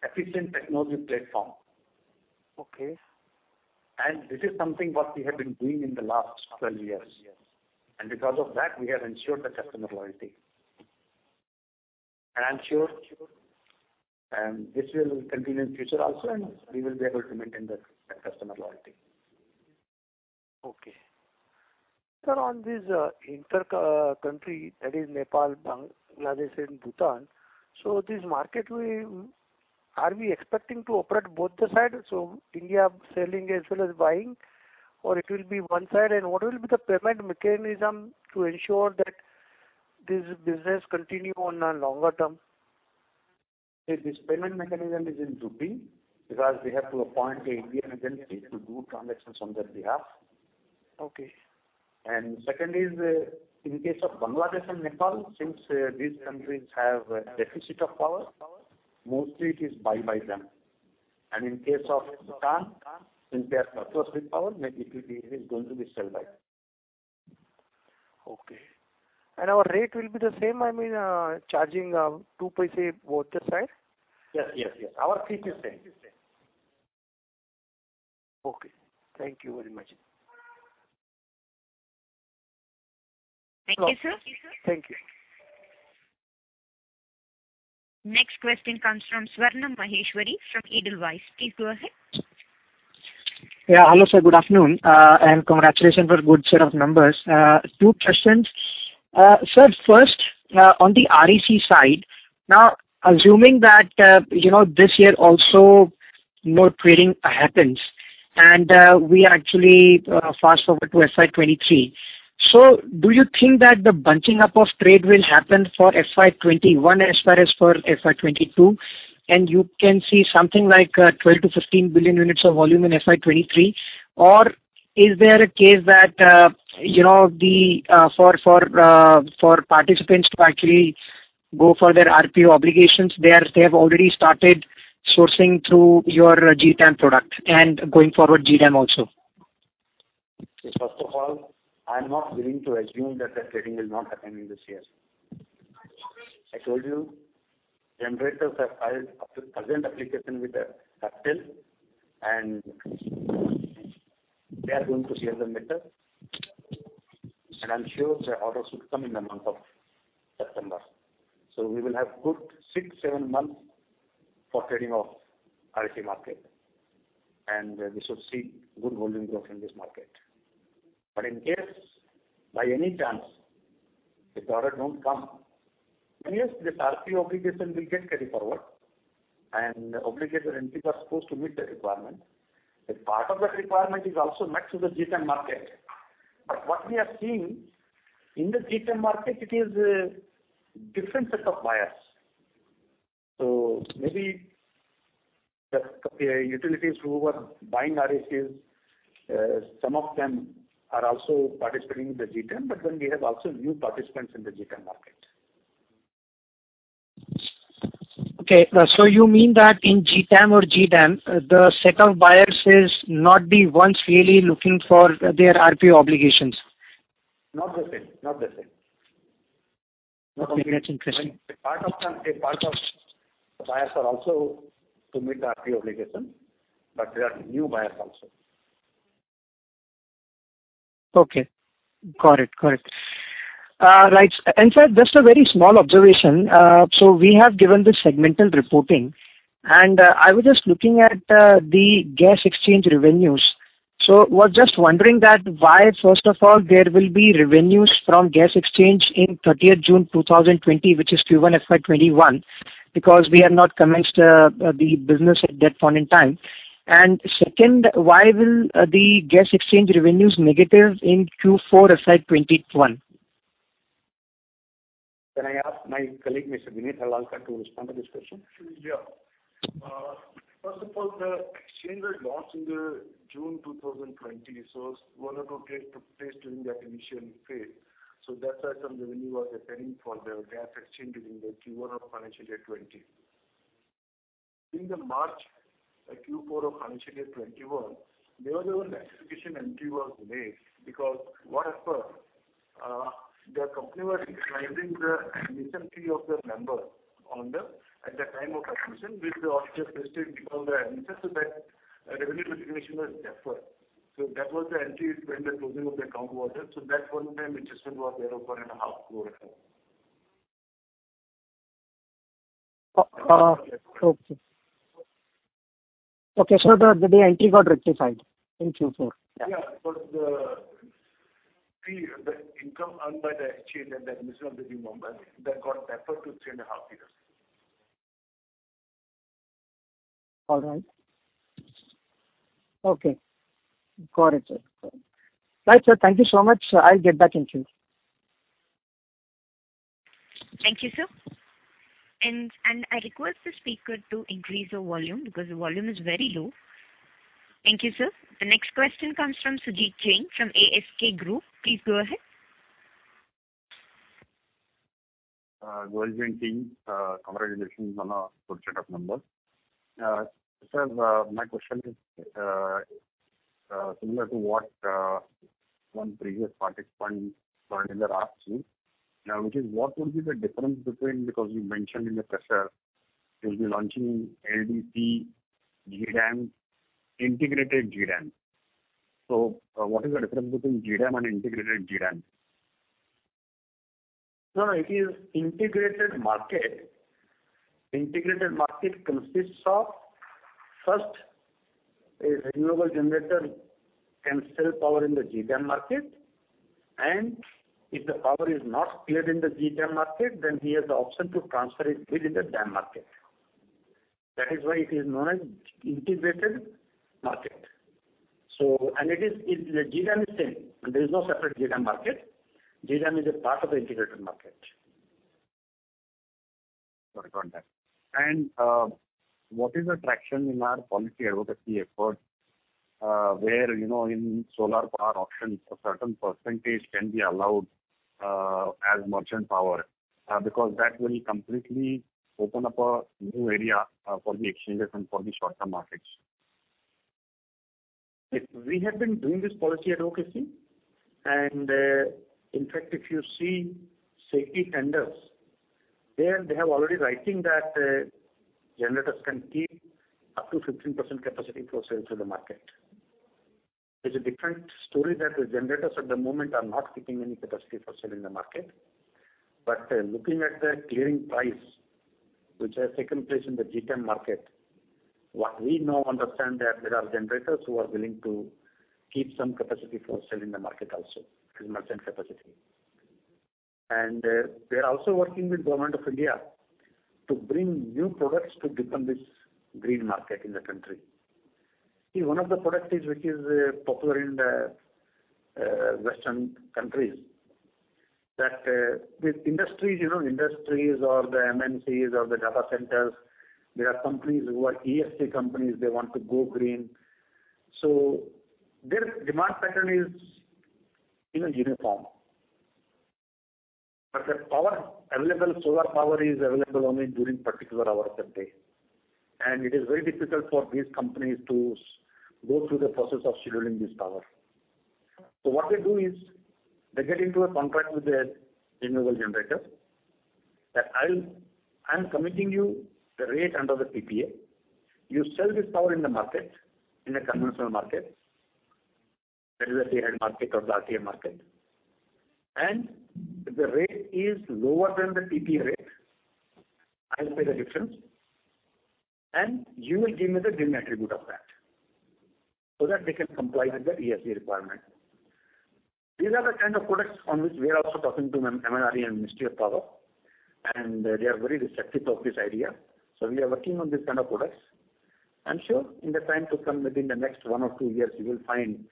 efficient technology platform. Okay. This is something that we have been doing in the last 12 years. Because of that, we have ensured the customer loyalty. I'm sure this will continue in future also, and we will be able to maintain that customer loyalty. Okay. Sir, on this inter-country, that is Nepal, Bangladesh, and Bhutan, this market, are we expecting to operate both sides? India selling as well as buying, or it will be one side? What will be the payment mechanism to ensure that this business continue on a longer term? This payment mechanism is in rupee, because we have to appoint an Indian agency to do transactions on their behalf. Okay. Second is, in case of Bangladesh and Nepal, since these countries have a deficit of power, mostly it is buy by them. In case of Bhutan, since they are surplus with power, maybe it is going to be sell by. Okay. Our rate will be the same, I mean, charging 0.02 both the side? Yes. Our fee is same. Okay. Thank you very much. Thank you, sir. Thank you. Next question comes from Swarnim Maheshwari from Edelweiss. Please go ahead. Hello, sir. Good afternoon. Congratulations for good set of numbers. Two questions. Sir, first, on the REC side, now assuming that this year also no trading happens, we actually fast forward to FY 2023. Do you think that the bunching up of trade will happen for FY 2021 as far as for FY 2022, and you can see something like 12 billion-15 billion units of volume in FY 2023? Is there a case that for participants to actually go for their RPO obligations, they have already started sourcing through your GTAM product, and going forward, GDAM also? First of all, I'm not willing to assume that the trading will not happen in this year. I told you, generators have filed urgent application with the CERC. They are going to clear the meter. I'm sure the order should come in the month of September. We will have good six, seven months for trading of REC market. We should see good volume growth in this market. In case, by any chance, if the order don't come, then yes, this RPO obligation will get carry forward. Obligor entities are supposed to meet the requirement. A part of the requirement is also met through the GTAM market. What we are seeing in the GTAM market, it is a different set of buyers. Maybe the utilities who were buying RECs, some of them are also participating in the GTAM, but then we have also new participants in the GTAM market. Okay. You mean that in GTAM or GDAM, the set of buyers is not the ones really looking for their RPO obligations? Not the same. Okay, that's interesting. A part of the buyers are also to meet the RPO obligation, but there are new buyers also. Okay. Got it. Right. Sir, just a very small observation. We have given the segmental reporting, and I was just looking at the gas exchange revenues. I was just wondering that why, first of all, there will be revenues from gas exchange in 30th June 2020, which is Q1 FY 2021, because we have not commenced the business at that point in time. Second, why will the gas exchange revenues negative in Q4 FY 2021? Can I ask my colleague, Mr. Vineet Harlalka, to respond to this question? Sure. First of all, the exchange was launched in June 2020. One or two trades took place during that initial phase. That's why some revenue was occurring for the gas exchange during Q1 of FY 2020. During Q4 of FY 2021, a rectification entry made because what happened, the company was recognizing the admission fee of the member at the time of admission, which was just resting because of the admission, that revenue recognition was deferred. That was the entry during the closing of the account was there. That one-time adjustment was there of INR 4.5 million. Okay. The entry got rectified in Q4? Yeah. The fee, the income earned by the exchange and the admission of the new member, that got deferred to three and a half years. All right. Okay. Got it, sir. Right, sir. Thank you so much. I'll get back in queue. Thank you, sir. I request the speaker to increase the volume because the volume is very low. Thank you, sir. The next question comes from Sujeet Jain from ASK Group. Please go ahead. Good evening, team. Congratulations on a good set of numbers. Sir, my question is similar to what one previous participant, Bharanidhar, asked you. Now, which is, what would be the difference between, because you mentioned in the presser you'll be launching LDC, GDAM, integrated GDAM. What is the difference between GDAM and integrated GDAM? No, it is integrated market. Integrated market consists of first, a renewable generator can sell power in the GDAM market, and if the power is not cleared in the GDAM market, then he has the option to transfer it within the DAM market. That is why it is known as integrated market. The GDAM is same. There is no separate GDAM market. GDAM is a part of the integrated market. Got it on that. What is the traction in our policy advocacy effort, where in solar power auctions, a certain percentage can be allowed as merchant power, because that will completely open up a new area for the exchanges and for the short term markets? We have been doing this policy advocacy, and in fact, if you see SECI tenders, there they have already written that generators can keep up to 15% capacity for sale to the market. It's a different story that the generators at the moment are not keeping any capacity for sale in the market. Looking at the clearing price which has taken place in the GDAM market, what we now understand that there are generators who are willing to keep some capacity for sale in the market also, as merchant capacity. We are also working with Government of India to bring new products to deepen this green market in the country. See, one of the product is which is popular in the Western countries, that with industries or the MNCs or the data centers, there are companies who are ESG companies, they want to go green. Their demand pattern is even uniform. Their solar power is available only during particular hours of the day. It is very difficult for these companies to go through the process of scheduling this power. What they do is, they get into a contract with the renewable generator, that I'm committing you the rate under the PPA. You sell this power in the market, in a conventional market. That is a three-hour market or the RTM market. If the rate is lower than the PPA rate, I'll pay the difference, and you will give me the green attribute of that, so that they can comply with the ESG requirement. These are the kind of products on which we are also talking to MNRE and Ministry of Power, and they are very receptive of this idea. We are working on this kind of products. I'm sure in the time to come, within the next one or two years, you will find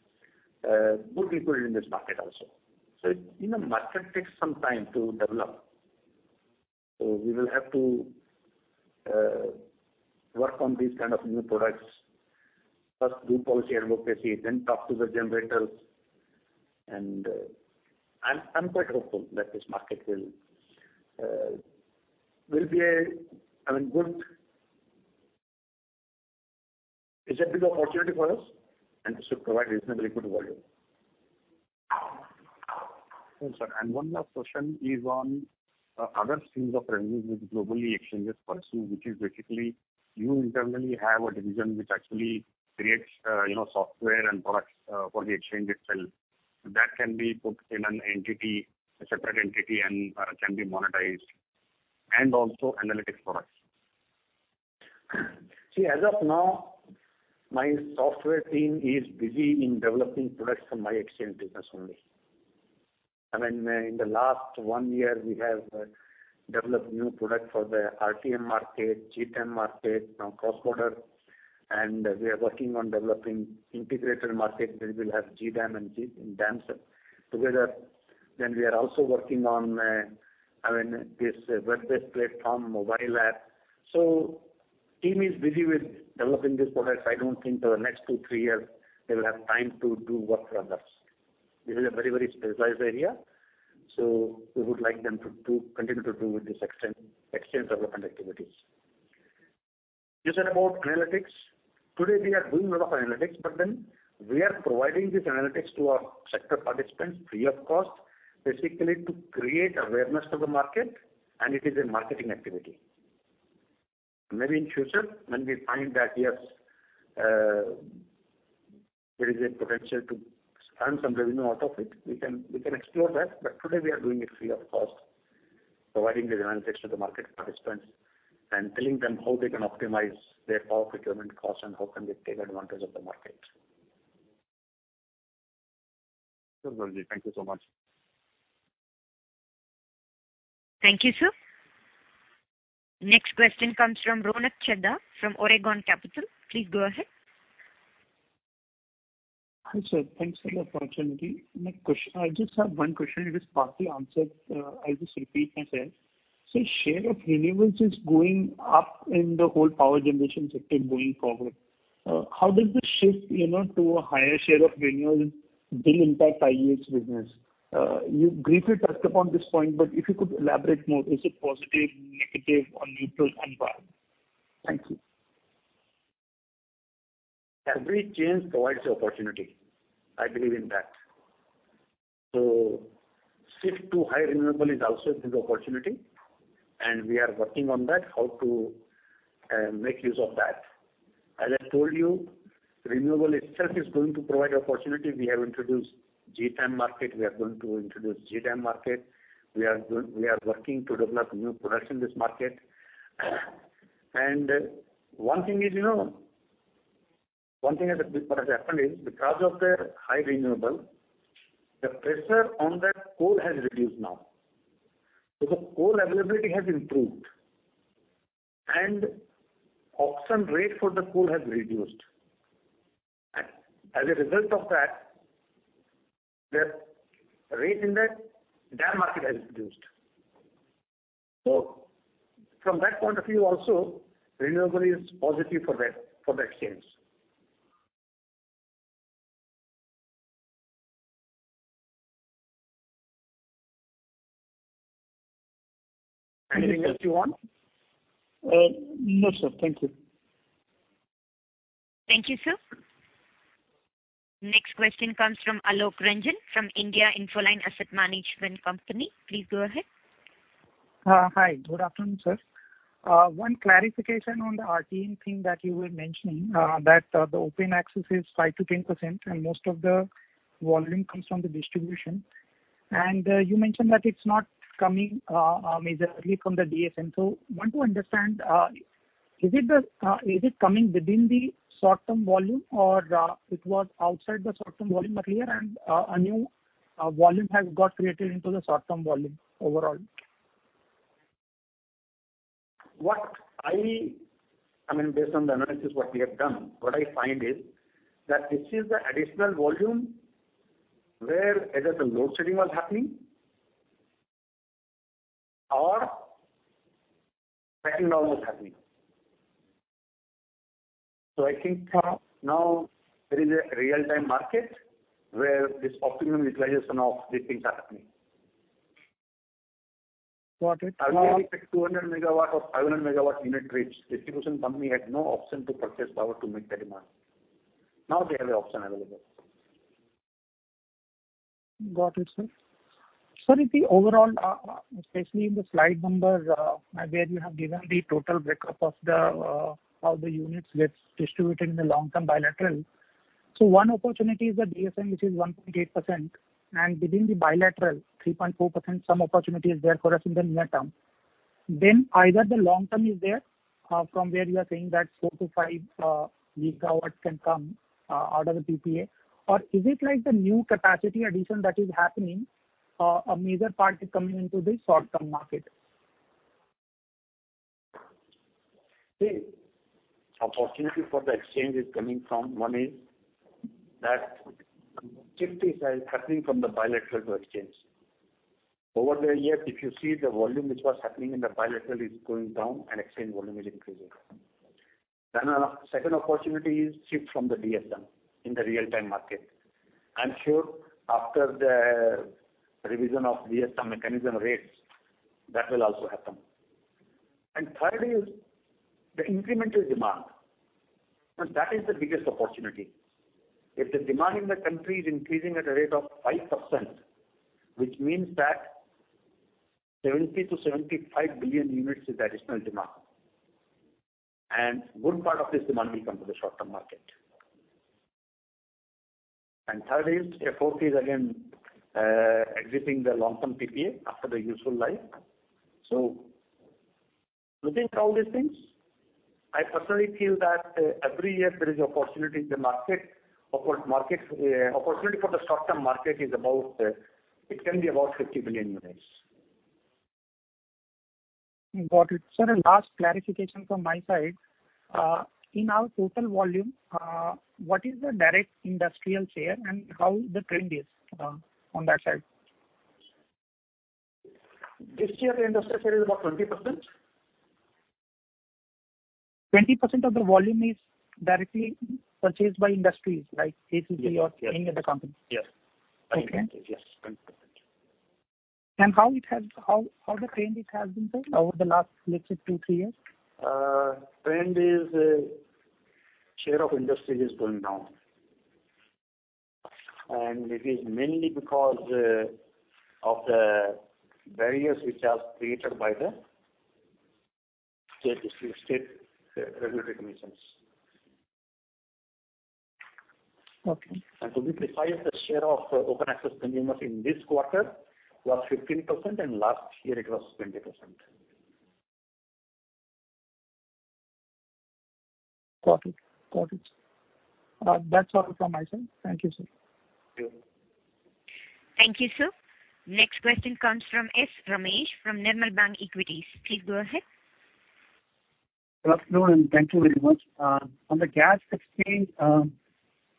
good people in this market also. Market takes some time to develop. We will have to work on these kind of new products. First, do policy advocacy, then talk to the generators. I'm quite hopeful that this market will be the opportunity for us, and it should provide reasonably good volume. Thanks, sir. One last question is on other streams of revenues which globally exchanges pursue, which is basically you internally have a division which actually creates software and products for the exchange itself. That can be put in a separate entity and can be monetized, and also analytics products. See, as of now, my software team is busy in developing products for my exchange business only. In the last one year, we have developed new product for the RTM market, GTAM market, now cross-border. We are working on developing integrated market, where we will have GDAM and DAM together. We are also working on this web-based platform mobile app. Team is busy with developing these products. I don't think for the next two, three years they will have time to do work for others. This is a very specialized area, so we would like them to continue to do with these exchange development activities. You said about analytics. Today we are doing a lot of analytics, but then we are providing these analytics to our sector participants free of cost, basically to create awareness of the market, and it is a marketing activity. Maybe in future, when we find that, yes, there is a potential to earn some revenue out of it, we can explore that. Today we are doing it free of cost, providing the analytics to the market participants and telling them how they can optimize their power procurement cost and how can they take advantage of the market. Sure, Balji. Thank you so much. Thank you, sir. Next question comes from Ronak Chheda, from Awriga Capital. Please go ahead. Hi, sir. Thanks for the opportunity. I just have one question. It is partly answered. I'll just repeat myself. Share of renewables is going up in the whole power generation sector going forward. How does this shift to a higher share of renewables then impact IEX business? You briefly touched upon this point, but if you could elaborate more, is it positive, negative or neutral on power? Thank you. Every change provides opportunity. I believe in that. Shift to high renewable is also a big opportunity. We are working on that, how to make use of that. As I told you, renewable itself is going to provide opportunity. We have introduced GTAM market. We are going to introduce GDAM market. We are working to develop new products in this market. One thing what has happened is because of the high renewable, the pressure on the coal has reduced now. The coal availability has improved. Auction rate for the coal has reduced. As a result of that, the rate in that DAM market has reduced. From that point of view also, renewable is positive for the exchange. Anything else you want? No, sir. Thank you. Thank you, sir. Next question comes from Alok Ranjan from India Infoline Asset Management Company. Please go ahead. Hi. Good afternoon, sir. One clarification on the RTM thing that you were mentioning, that the open access is 5%-10%, and most of the volume comes from the distribution. You mentioned that it's not coming majorly from the DSM. Want to understand, is it coming within the short term volume or it was outside the short term volume earlier and a new volume has got created into the short term volume overall? Based on the analysis what we have done, what I find is that this is the additional volume where either the load shedding was happening or backing down was happening. I think now there is a real-time market where this optimum utilization of these things are happening. Got it. Earlier if a 200 MW or 500 MW unit trips, distribution company had no option to purchase power to meet the demand. Now they have a option available. Got it, sir. Sir, if the overall, especially in the slide numbers, where you have given the total breakup of how the units gets distributed in the long term bilateral. One opportunity is the DSM, which is 1.8%, and within the bilateral, 3.4%, some opportunity is there for us in the near term. Either the long term is there, from where you are saying that 4 MW-5 MW can come out of the PPA. Is it like the new capacity addition that is happening, a major part is coming into the short term market? See, opportunity for the Exchange is coming from, one is that shift is happening from the bilateral to Exchange. Over the year, if you see the volume which was happening in the bilateral is going down and Exchange volume is increasing. Second opportunity is shift from the DSM in the real time market. I am sure after the revision of DSM mechanism rates, that will also happen. Third is the incremental demand, and that is the biggest opportunity. If the demand in the country is increasing at a rate of 5%, which means that 70-75 billion units is additional demand. Good part of this demand will come to the short term market. Fourth is again, exiting the long term PPA after the useful life. Looking at all these things, I personally feel that every year there is opportunity in the market. Opportunity for the short term market, it can be about 50 million units. Got it. Sir, last clarification from my side. In our total volume, what is the direct industrial share and how the trend is on that side? This year, the industrial share is about 20%. 20% of the volume is directly purchased by industries like ACC or any other company. Yes. Okay. Yes, 20%. How the trend it has been going over the last, let's say two, three years? Trend is, share of industry is going down. It is mainly because of the barriers which are created by the state regulatory commissions. Okay. To be precise, the share of open access consumers in this quarter was 15%, and last year it was 20%. Got it. That's all from my side. Thank you, sir. Thank you. Thank you, sir. Next question comes from S. Ramesh from Nirmal Bang Equities. Please go ahead. Good afternoon, thank you very much. On the gas exchange, can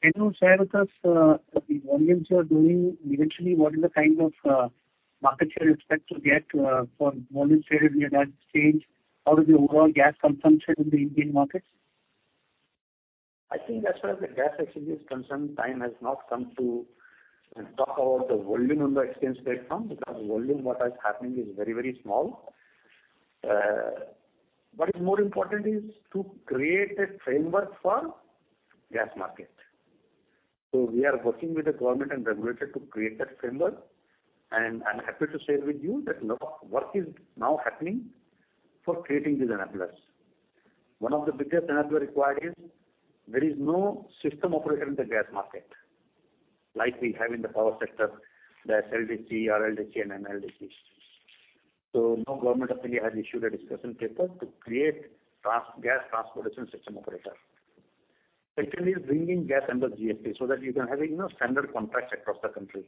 you share with us the volumes you are doing? Eventually, what is the kind of market share you expect to get for volume traded in the exchange? How is the overall gas consumption in the Indian markets? I think as far as the gas exchange is concerned, time has not come to talk about the volume on the exchange platform, because volume what is happening is very small. What is more important is to create a framework for gas market. We are working with the Government and regulator to create that framework, and I'm happy to share with you that work is now happening for creating these enablers. One of the biggest enabler required is, there is no system operator in the gas market like we have in the power sector, that's LDC, RLDC, and NLDC. Now Government actually has issued a discussion paper to create gas transportation system operator. Secondly is bringing gas under GST so that you can have a standard contract across the country.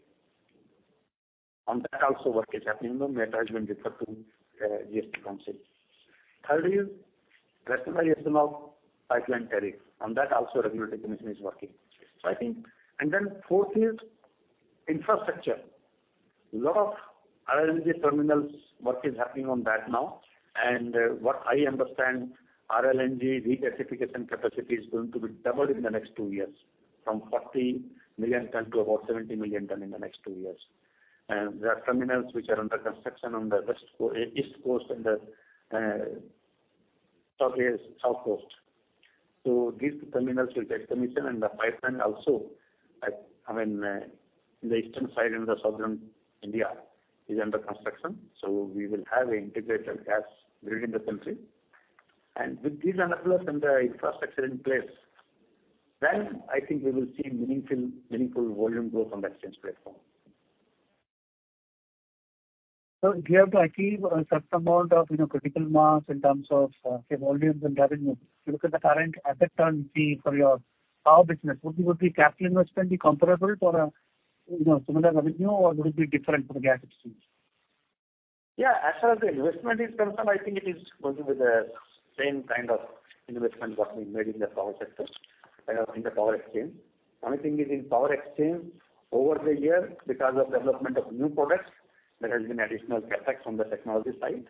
On that also work is happening, though there has been difference to GST council. Third is rationalization of pipeline tariff. On that also regulatory commission is working. Fourth is infrastructure. Lot of LNG terminals work is happening on that now. What I understand, RLNG regasification capacity is going to be doubled in the next two years from 40 million tons to about 70 million tons in the next two years. There are terminals which are under construction on the east coast and the south coast. These two terminals will get commission and the pipeline also, in the eastern side, in the southern India is under construction. We will have an integrated gas grid in the country. With these enablers and the infrastructure in place, I think we will see meaningful volume growth on the exchange platform. Sir, if you have to achieve a certain amount of critical mass in terms of volumes and revenue, if you look at the current asset currency for your power business, would the capital investment be comparable for a similar revenue, or would it be different for the gas exchange? Yeah. As far as the investment is concerned, I think it is going to be the same kind of investment what we made in the power exchange. Only thing is in power exchange, over the year, because of development of new products, there has been additional CapEx on the technology side.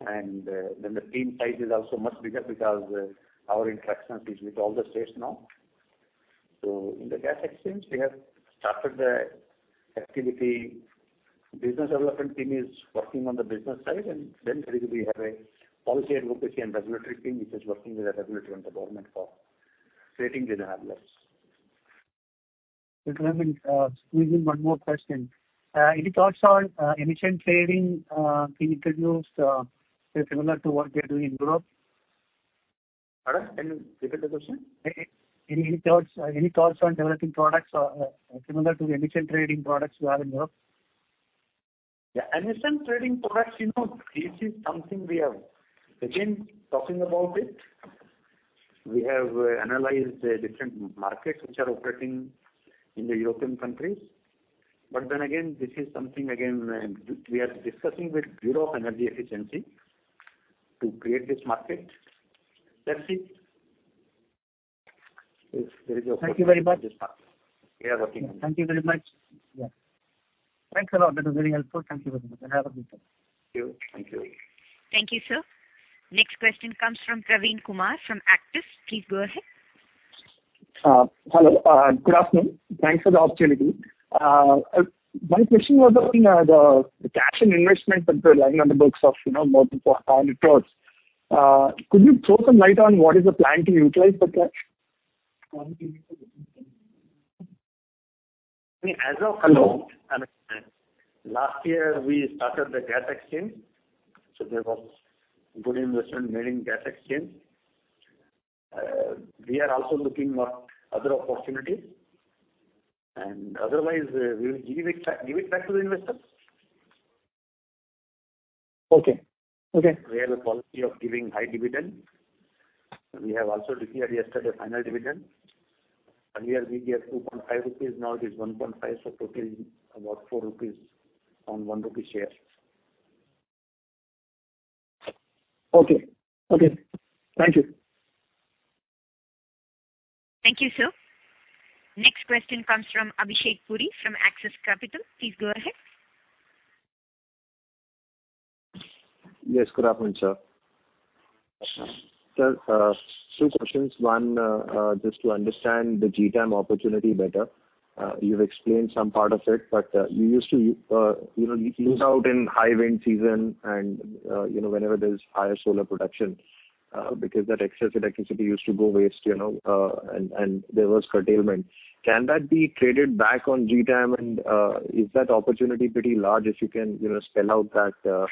The team size is also much bigger because our interaction is with all the states now. In the gas exchange, we have started the activity. Business development team is working on the business side, and then thirdly, we have a policy advocacy and regulatory team which is working with the regulatory and the Government for creating the enablers. If you have in, squeeze in one more question. Any thoughts on emission trading being introduced, say, similar to what they're doing in Europe? Pardon? Can you repeat the question? Any thoughts on developing products similar to the emission trading products you have in Europe? Yeah. Emission trading products, this is something we are, again, talking about it. We have analyzed different markets which are operating in the European countries. Again, this is something, again, we are discussing with Bureau of Energy Efficiency to create this market. That's it. Thank you very much. We are working on it. Thank you very much. Yeah. Thanks a lot. That was very helpful. Thank you very much, and have a good day. Thank you. Thank you, sir. Next question comes from Praveen Kumar from Actis. Please go ahead. Hello. Good afternoon. Thanks for the opportunity. My question was on the cash and investment that were lying on the books of more than 4,000 crores. Could you throw some light on what is the plan to utilize that cash? As of now, last year we started the gas exchange, so there was good investment made in gas exchange. We are also looking at other opportunities. Otherwise, we will give it back to the investors. Okay. We have a policy of giving high dividend. We have also declared yesterday final dividend. Earlier we gave 2.5 rupees, now it is 1.5, so total is about 4 rupees on 1 rupee share. Okay. Thank you. Thank you, sir. Next question comes from Abhishek Puri from Axis Capital. Please go ahead. Yes. Good afternoon, sir. Sir, two questions. One, just to understand the GTAM opportunity better. You've explained some part of it, but you used to lose out in high wind season and whenever there's higher solar production, because that excess electricity used to go waste, and there was curtailment. Can that be traded back on GTAM and is that opportunity pretty large? If you can spell out that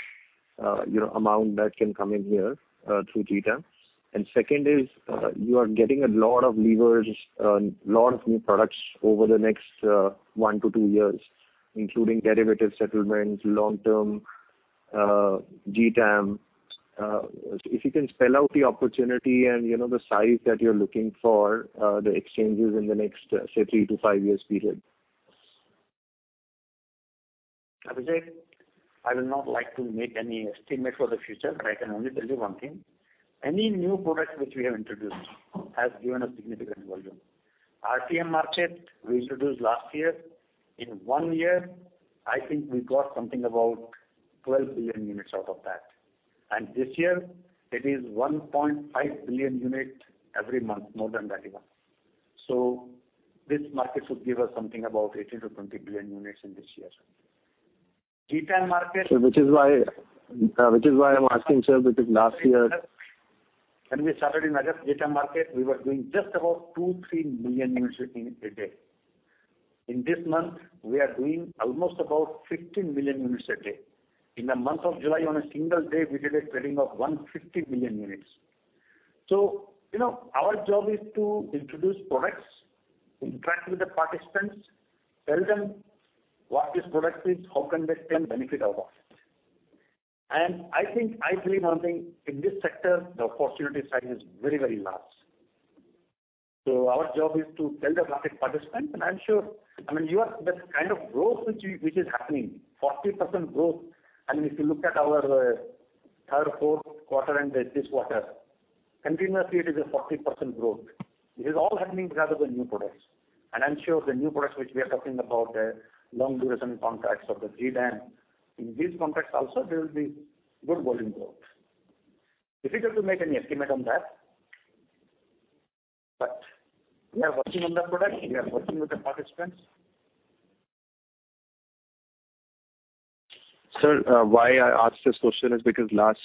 amount that can come in here, through GTAM. Second is, you are getting a lot of levers, a lot of new products over the next one to two years, including derivative settlements, long term, GTAM. If you can spell out the opportunity and the size that you're looking for the exchanges in the next, say three to five years period. Abhishek, I will not like to make any estimate for the future, but I can only tell you one thing. Any new product which we have introduced has given a significant volume. RTM market, we introduced last year. In one year, I think we got something about 12 billion units out of that. This year, it is 1.5 billion units every month, more than that even. This market should give us something about 18 billion-20 billion units in this year. GTAM market. Sir, which is why I'm asking, sir, because last year- When we started in August GTAM market, we were doing just about 2-3 million units in a day. In this month, we are doing almost about 15 million units a day. In the month of July, on a single day, we did a trading of 150 million units. Our job is to introduce products, interact with the participants, tell them what this product is, how can they stand to benefit out of it. I think, I believe one thing, in this sector, the opportunity size is very, very large. Our job is to tell the market participants, and I'm sure the kind of growth which is happening, 40% growth, and if you look at our third, fourth quarter, and this quarter, continuously it is a 40% growth. This is all happening because of the new products. I'm sure the new products which we are talking about, Long Duration Contracts or the GTAM, in these contracts also, there will be good volume growth. Difficult to make any estimate on that, but we are working on the product. We are working with the participants. Sir, why I asked this question is because last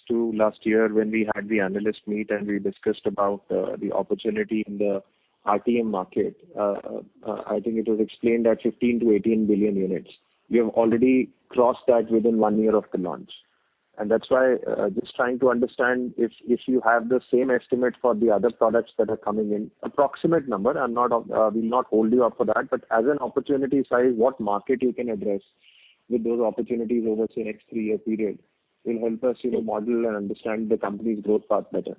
year when we had the analyst meet and we discussed about the opportunity in the RTM market, I think it was explained that 15-18 billion units. We have already crossed that within one year of the launch. That's why just trying to understand if you have the same estimate for the other products that are coming in. Approximate number, we'll not hold you up for that, but as an opportunity size, what market you can address with those opportunities over, say, next three-year period will help us model and understand the company's growth path better.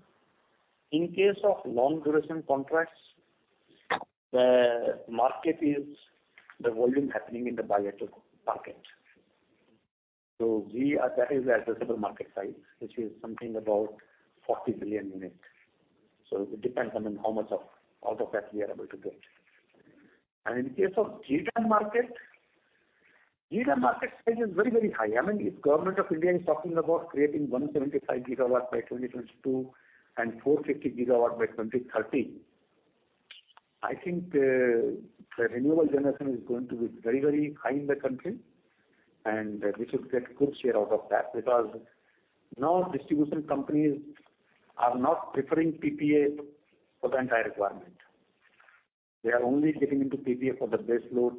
In case of long duration contracts, the volume happening in the bilateral market. That is the addressable market size, which is something about 40 billion units. It depends on how much out of that we are able to get. In case of GTAM market, GTAM market size is very, very high. If Government of India is talking about creating 175 GW by 2022, and 450 GW by 2030, I think the renewable generation is going to be very, very high in the country and we should get good share out of that because now distribution companies are not preferring PPA for the entire requirement. They are only getting into PPA for the base load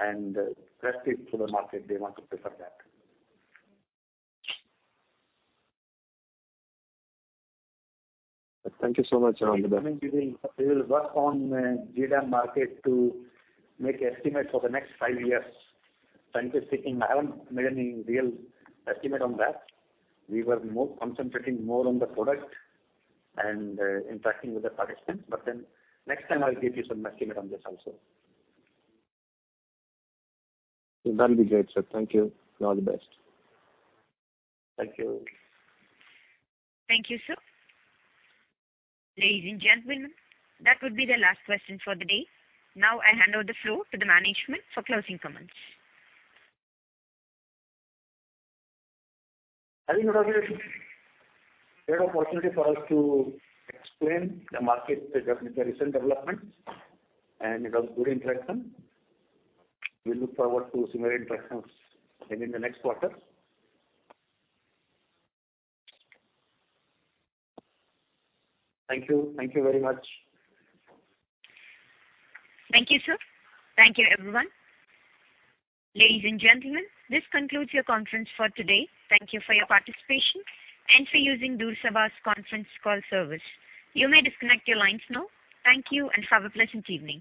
and rest is through the market. They want to prefer that. Thank you so much and all the best. We will work on GTAM market to make estimate for the next five years. Frankly speaking, I haven't made any real estimate on that. We were concentrating more on the product and interacting with the participants. Next time I'll give you some estimate on this also. That'll be great, sir. Thank you. All the best. Thank you. Thank you, sir. Ladies and gentlemen, that would be the last question for the day. I hand over the floor to the management for closing comments. I think it was a great opportunity for us to explain the market with the recent developments, and it was good interaction. We look forward to similar interactions maybe in the next quarter. Thank you. Thank you very much. Thank you, sir. Thank you, everyone. Ladies and gentlemen, this concludes your conference for today. Thank you for your participation and for using Chorus Call's conference call service. You may disconnect your lines now. Thank you and have a pleasant evening.